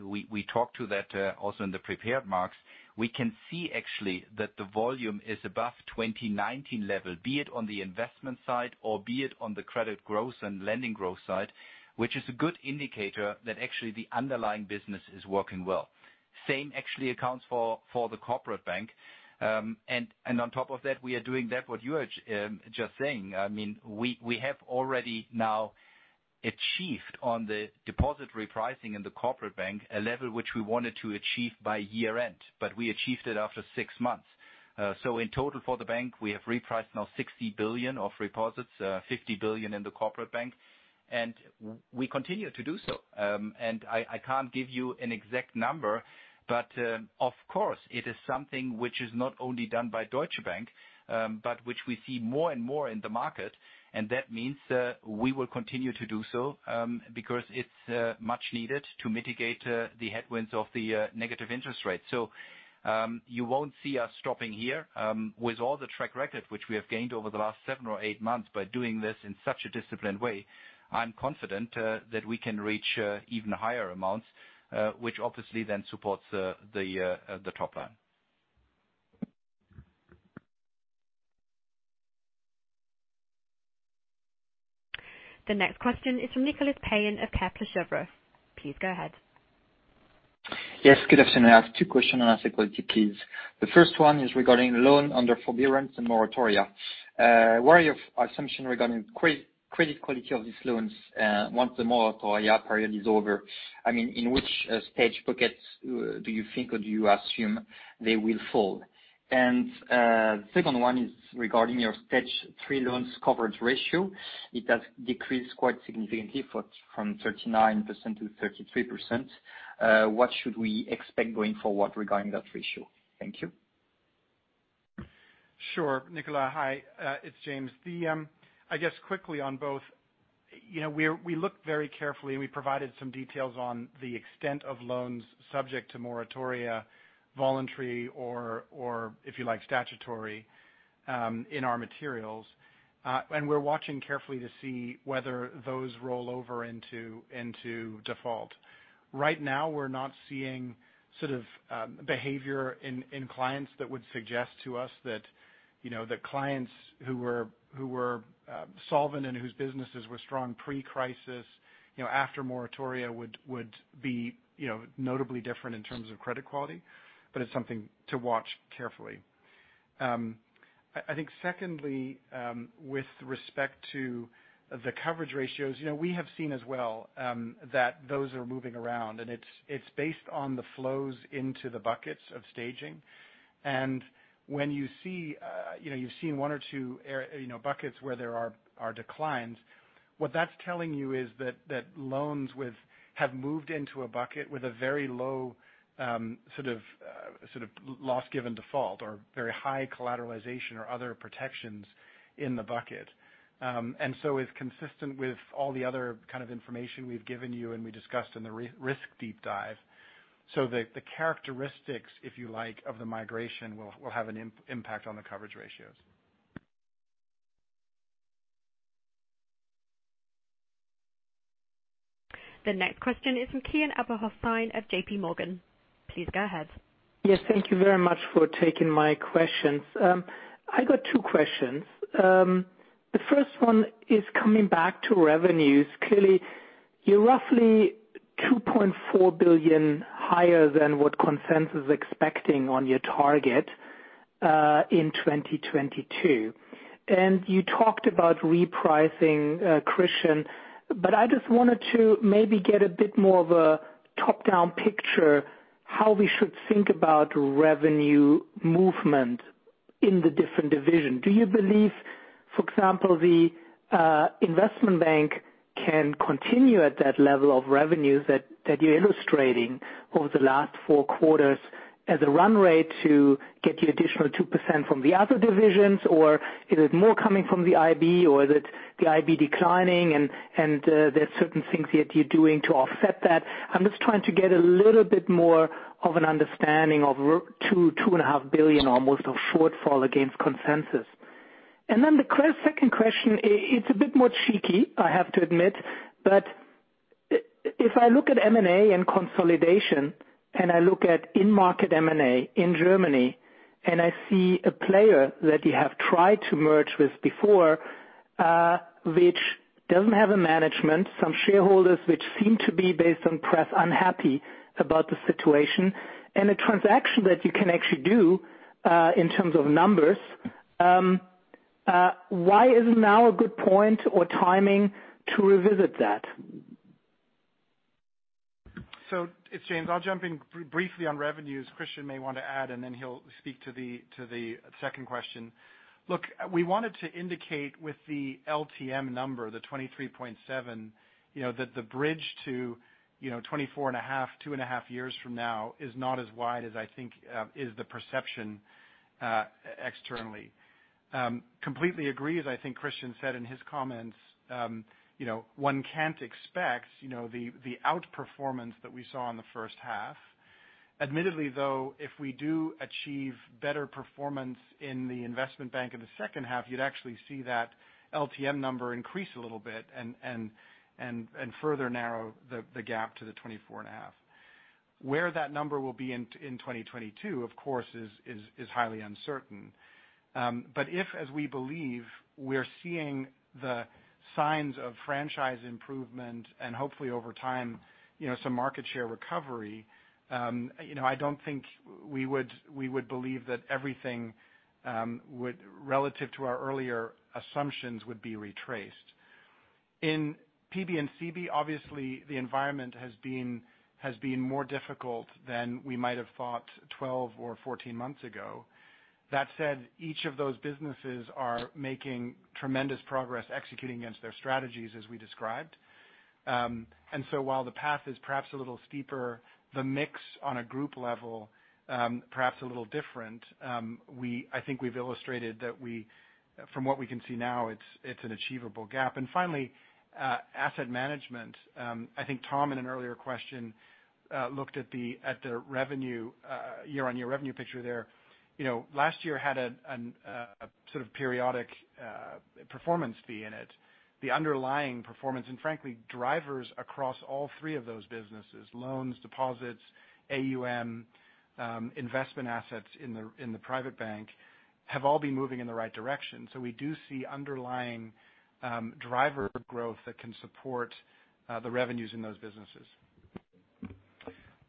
we talked to that also in the prepared marks, we can see actually that the volume is above 2019 level, be it on the investment side or be it on the credit growth and lending growth side, which is a good indicator that actually the underlying business is working well. Same actually accounts for the corporate bank. On top of that, we are doing that what you are just saying. We have already now achieved on the deposit repricing in the corporate bank a level which we wanted to achieve by year-end, but we achieved it after six months. In total for the bank, we have repriced now 60 billion of deposits, 50 billion in the corporate bank, and we continue to do so. I can't give you an exact number, but of course it is something which is not only done by Deutsche Bank, but which we see more and more in the market, and that means we will continue to do so because it's much needed to mitigate the headwinds of the negative interest rates. You won't see us stopping here. With all the track record which we have gained over the last seven or eight months by doing this in such a disciplined way, I'm confident that we can reach even higher amounts, which obviously then supports the top line. The next question is from Nicolas Payen of Kepler Cheuvreux. Please go ahead. Yes, good afternoon. I have two questions on asset quality, please. The first one is regarding loan under forbearance and moratoria. Where are your assumptions regarding credit quality of these loans once the moratoria period is over? In which stage buckets do you think or do you assume they will fall? Second one is regarding your Stage 3 loans coverage ratio. It has decreased quite significantly from 39%-33%. What should we expect going forward regarding that ratio? Thank you. Sure. Nicolas, hi. It's James. I guess quickly on both. We looked very carefully. We provided some details on the extent of loans subject to moratoria, voluntary or, if you like, statutory, in our materials. We're watching carefully to see whether those roll over into default. Right now, we're not seeing sort of behavior in clients that would suggest to us that the clients who were solvent and whose businesses were strong pre-crisis, after moratoria would be notably different in terms of credit quality, but it's something to watch carefully. I think secondly, with respect to the coverage ratios, we have seen as well that those are moving around, and it's based on the flows into the buckets of staging. When you've seen one or two buckets where there are declines, what that's telling you is that loans have moved into a bucket with a very low sort of loss given default or very high collateralization or other protections in the bucket, and is consistent with all the other kind of information we've given you and we discussed in the Risk Deep Dive. The characteristics, if you like, of the migration will have an impact on the coverage ratios. The next question is from Kian Abouhossein of JPMorgan. Please go ahead. Yes, thank you very much for taking my questions. I got two questions. The first one is coming back to revenues. Clearly, you're roughly 2.4 billion higher than what consensus is expecting on your target, in 2022. You talked about repricing, Christian. I just wanted to maybe get a bit more of a top-down picture, how we should think about revenue movement in the different division. Do you believe, for example, the investment bank can continue at that level of revenues that you're illustrating over the last four quarters as a run rate to get you additional 2% from the other divisions? Is it more coming from the IB, is it the IB declining and there's certain things that you're doing to offset that? I'm just trying to get a little bit more of an understanding of two and a half billion almost of shortfall against consensus. The second question, it's a bit more cheeky, I have to admit. If I look at M&A and consolidation, and I look at in-market M&A in Germany, and I see a player that you have tried to merge with before, which doesn't have a management, some shareholders, which seem to be, based on press, unhappy about the situation, and a transaction that you can actually do, in terms of numbers. Why is now a good point or timing to revisit that? It's James. I'll jump in briefly on revenues. Christian may want to add, and then he'll speak to the second question. Look, we wanted to indicate with the LTM number, the 23.7, that the bridge to 24.5, two and a half years from now is not as wide as I think is the perception externally. Completely agree, as I think Christian said in his comments, one can't expect the outperformance that we saw in the first half. Admittedly, though, if we do achieve better performance in the Investment Bank in the second half, you'd actually see that LTM number increase a little bit and further narrow the gap to the 24.5. Where that number will be in 2022, of course, is highly uncertain. If, as we believe, we're seeing the signs of franchise improvement and hopefully over time, some market share recovery, I don't think we would believe that everything, relative to our earlier assumptions, would be retraced. In PB and CB, obviously, the environment has been more difficult than we might have thought 12 or 14 months ago. That said, each of those businesses are making tremendous progress executing against their strategies as we described. While the path is perhaps a little steeper, the mix on a group level, perhaps a little different, I think we've illustrated that from what we can see now, it's an achievable gap. Finally, Asset Management. I think Tom, in an earlier question, looked at the year-on-year revenue picture there. Last year had a sort of periodic performance fee in it. The underlying performance, and frankly, drivers across all three of those businesses, loans, deposits, AUM, investment assets in the private bank, have all been moving in the right direction. We do see underlying driver growth that can support the revenues in those businesses.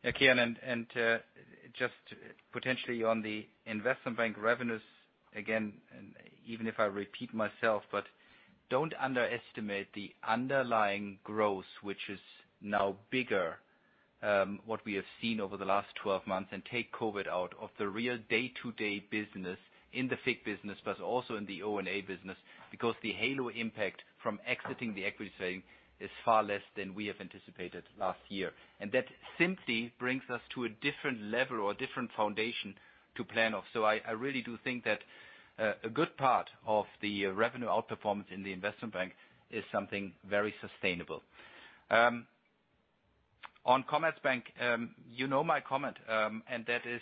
Kian, just potentially on the investment bank revenues, again, even if I repeat myself, don't underestimate the underlying growth, which is now bigger, what we have seen over the last 12 months, take COVID-19 out of the real day-to-day business in the FICC business, also in the O&A business, because the halo impact from exiting the equities trading is far less than we have anticipated last year. That simply brings us to a different level or a different foundation to plan off. I really do think that a good part of the revenue outperformance in the investment bank is something very sustainable. On Commerzbank, you know my comment, that is,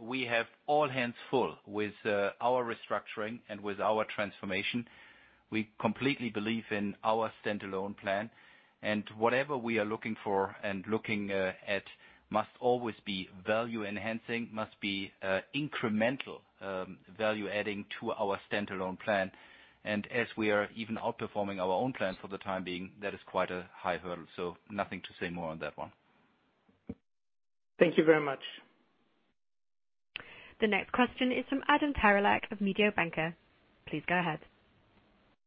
we have all hands full with our restructuring and with our transformation. We completely believe in our standalone plan, and whatever we are looking for and looking at must always be value enhancing, must be incremental value adding to our standalone plan. As we are even outperforming our own plans for the time being, that is quite a high hurdle. Nothing to say more on that one. Thank you very much. The next question is from Adam Terelak of Mediobanca. Please go ahead.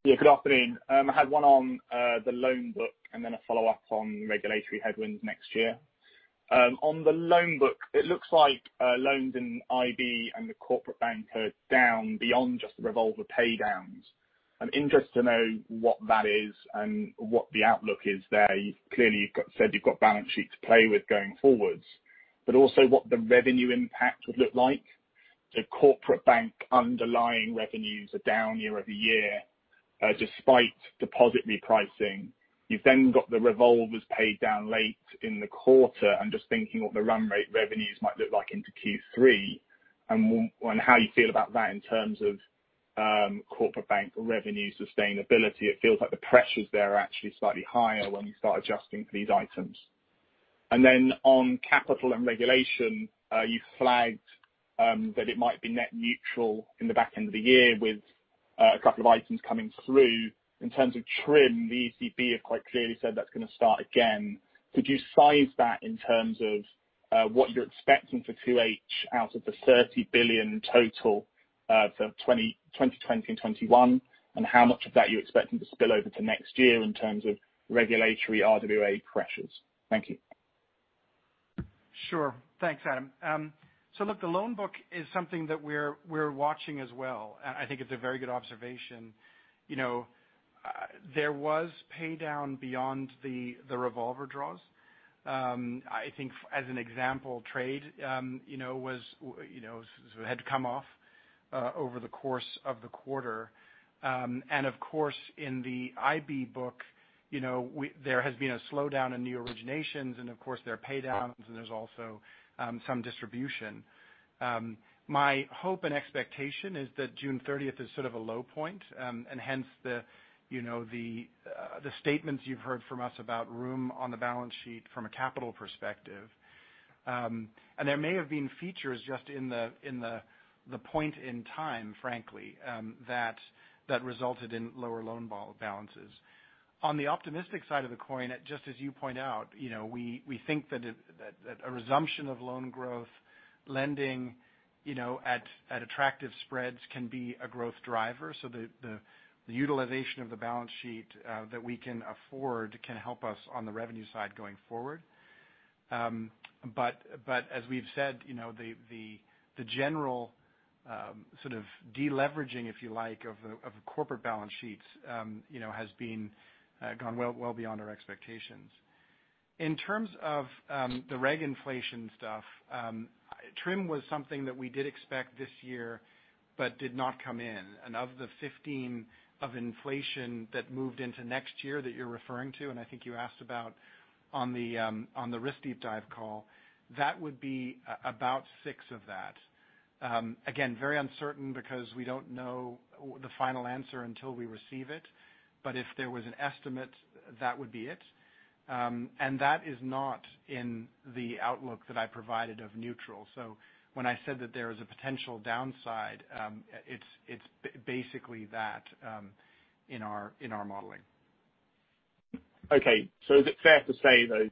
Yeah, good afternoon. I had one on the loan book and then a follow-up on regulatory headwinds next year. On the loan book, it looks like loans in IB and the corporate bank are down beyond just the revolver pay downs. I'm interested to know what that is and what the outlook is there. Clearly, you said you've got balance sheet to play with going forwards, but also what the revenue impact would look like. The corporate bank underlying revenues are down year-over-year, despite deposit repricing. You've then got the revolvers paid down late in the quarter. I'm just thinking what the run rate revenues might look like into Q3, and how you feel about that in terms of corporate bank revenue sustainability. It feels like the pressures there are actually slightly higher when you start adjusting for these items. On capital and regulation, you flagged that it might be net neutral in the back end of the year with a couple of items coming through. In terms of TRIM, the ECB have quite clearly said that's going to start again. Could you size that in terms of what you're expecting for 2H out of the 30 billion total for 2020 and 2021, and how much of that you're expecting to spill over to next year in terms of regulatory RWA pressures? Thank you. Sure. Thanks, Adam. Look, the loan book is something that we're watching as well. I think it's a very good observation. There was pay down beyond the revolver draws. I think as an example, trade had to come off over the course of the quarter. Of course, in the IB book, there has been a slowdown in new originations and of course, there are pay downs and there's also some distribution. My hope and expectation is that June 30th is sort of a low point, hence the statements you've heard from us about room on the balance sheet from a capital perspective. There may have been features just in the point in time, frankly, that resulted in lower loan balances. On the optimistic side of the coin, just as you point out, we think that a resumption of loan growth lending at attractive spreads can be a growth driver. The utilization of the balance sheet that we can afford can help us on the revenue side going forward. As we've said, the general sort of de-leveraging, if you like, of corporate balance sheets has gone well beyond our expectations. In terms of the reg inflation stuff, TRIM was something that we did expect this year but did not come in. Of the 15 of inflation that moved into next year that you're referring to, and I think you asked about on the risk deep dive call, that would be about six of that. Again, very uncertain because we don't know the final answer until we receive it. If there was an estimate, that would be it. That is not in the outlook that I provided of neutral. When I said that there is a potential downside, it's basically that in our modeling. Okay. Is it fair to say, though,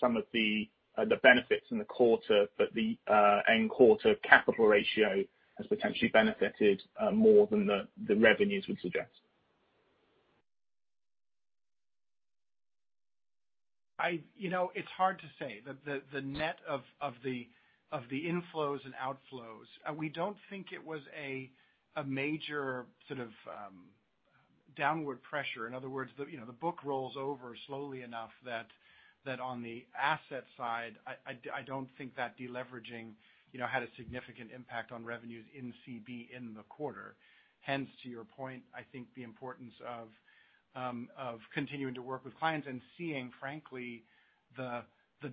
some of the benefits in the quarter, that the end quarter capital ratio has potentially benefited more than the revenues would suggest? It's hard to say. The net of the inflows and outflows, we don't think it was a major sort of downward pressure. In other words, the book rolls over slowly enough that on the asset side, I don't think that de-leveraging had a significant impact on revenues in CB in the quarter. Hence, to your point, I think the importance of continuing to work with clients and seeing, frankly, the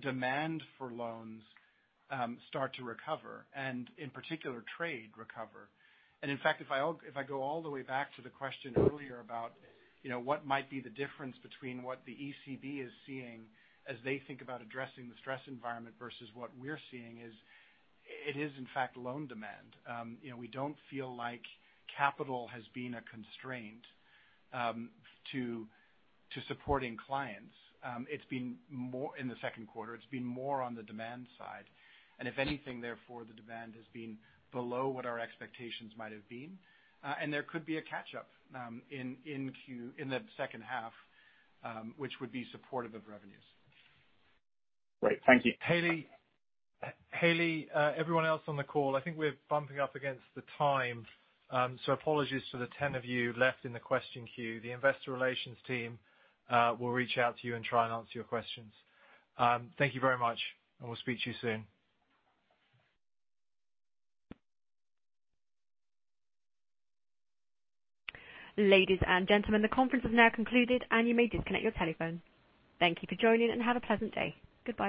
demand for loans start to recover, and in particular, trade recover. In fact, if I go all the way back to the question earlier about what might be the difference between what the ECB is seeing as they think about addressing the stress environment versus what we're seeing is it is, in fact, loan demand. We don't feel like capital has been a constraint to supporting clients. In the second quarter, it's been more on the demand side. If anything, therefore, the demand has been below what our expectations might have been. There could be a catch-up in the second half, which would be supportive of revenues. Great. Thank you. Hailey, everyone else on the call, I think we're bumping up against the time. Apologies to the 10 of you left in the question queue. The investor relations team will reach out to you and try and answer your questions. Thank you very much, and we'll speak to you soon. Ladies and gentlemen, the conference has now concluded, and you may disconnect your telephone. Thank you for joining, and have a pleasant day. Goodbye.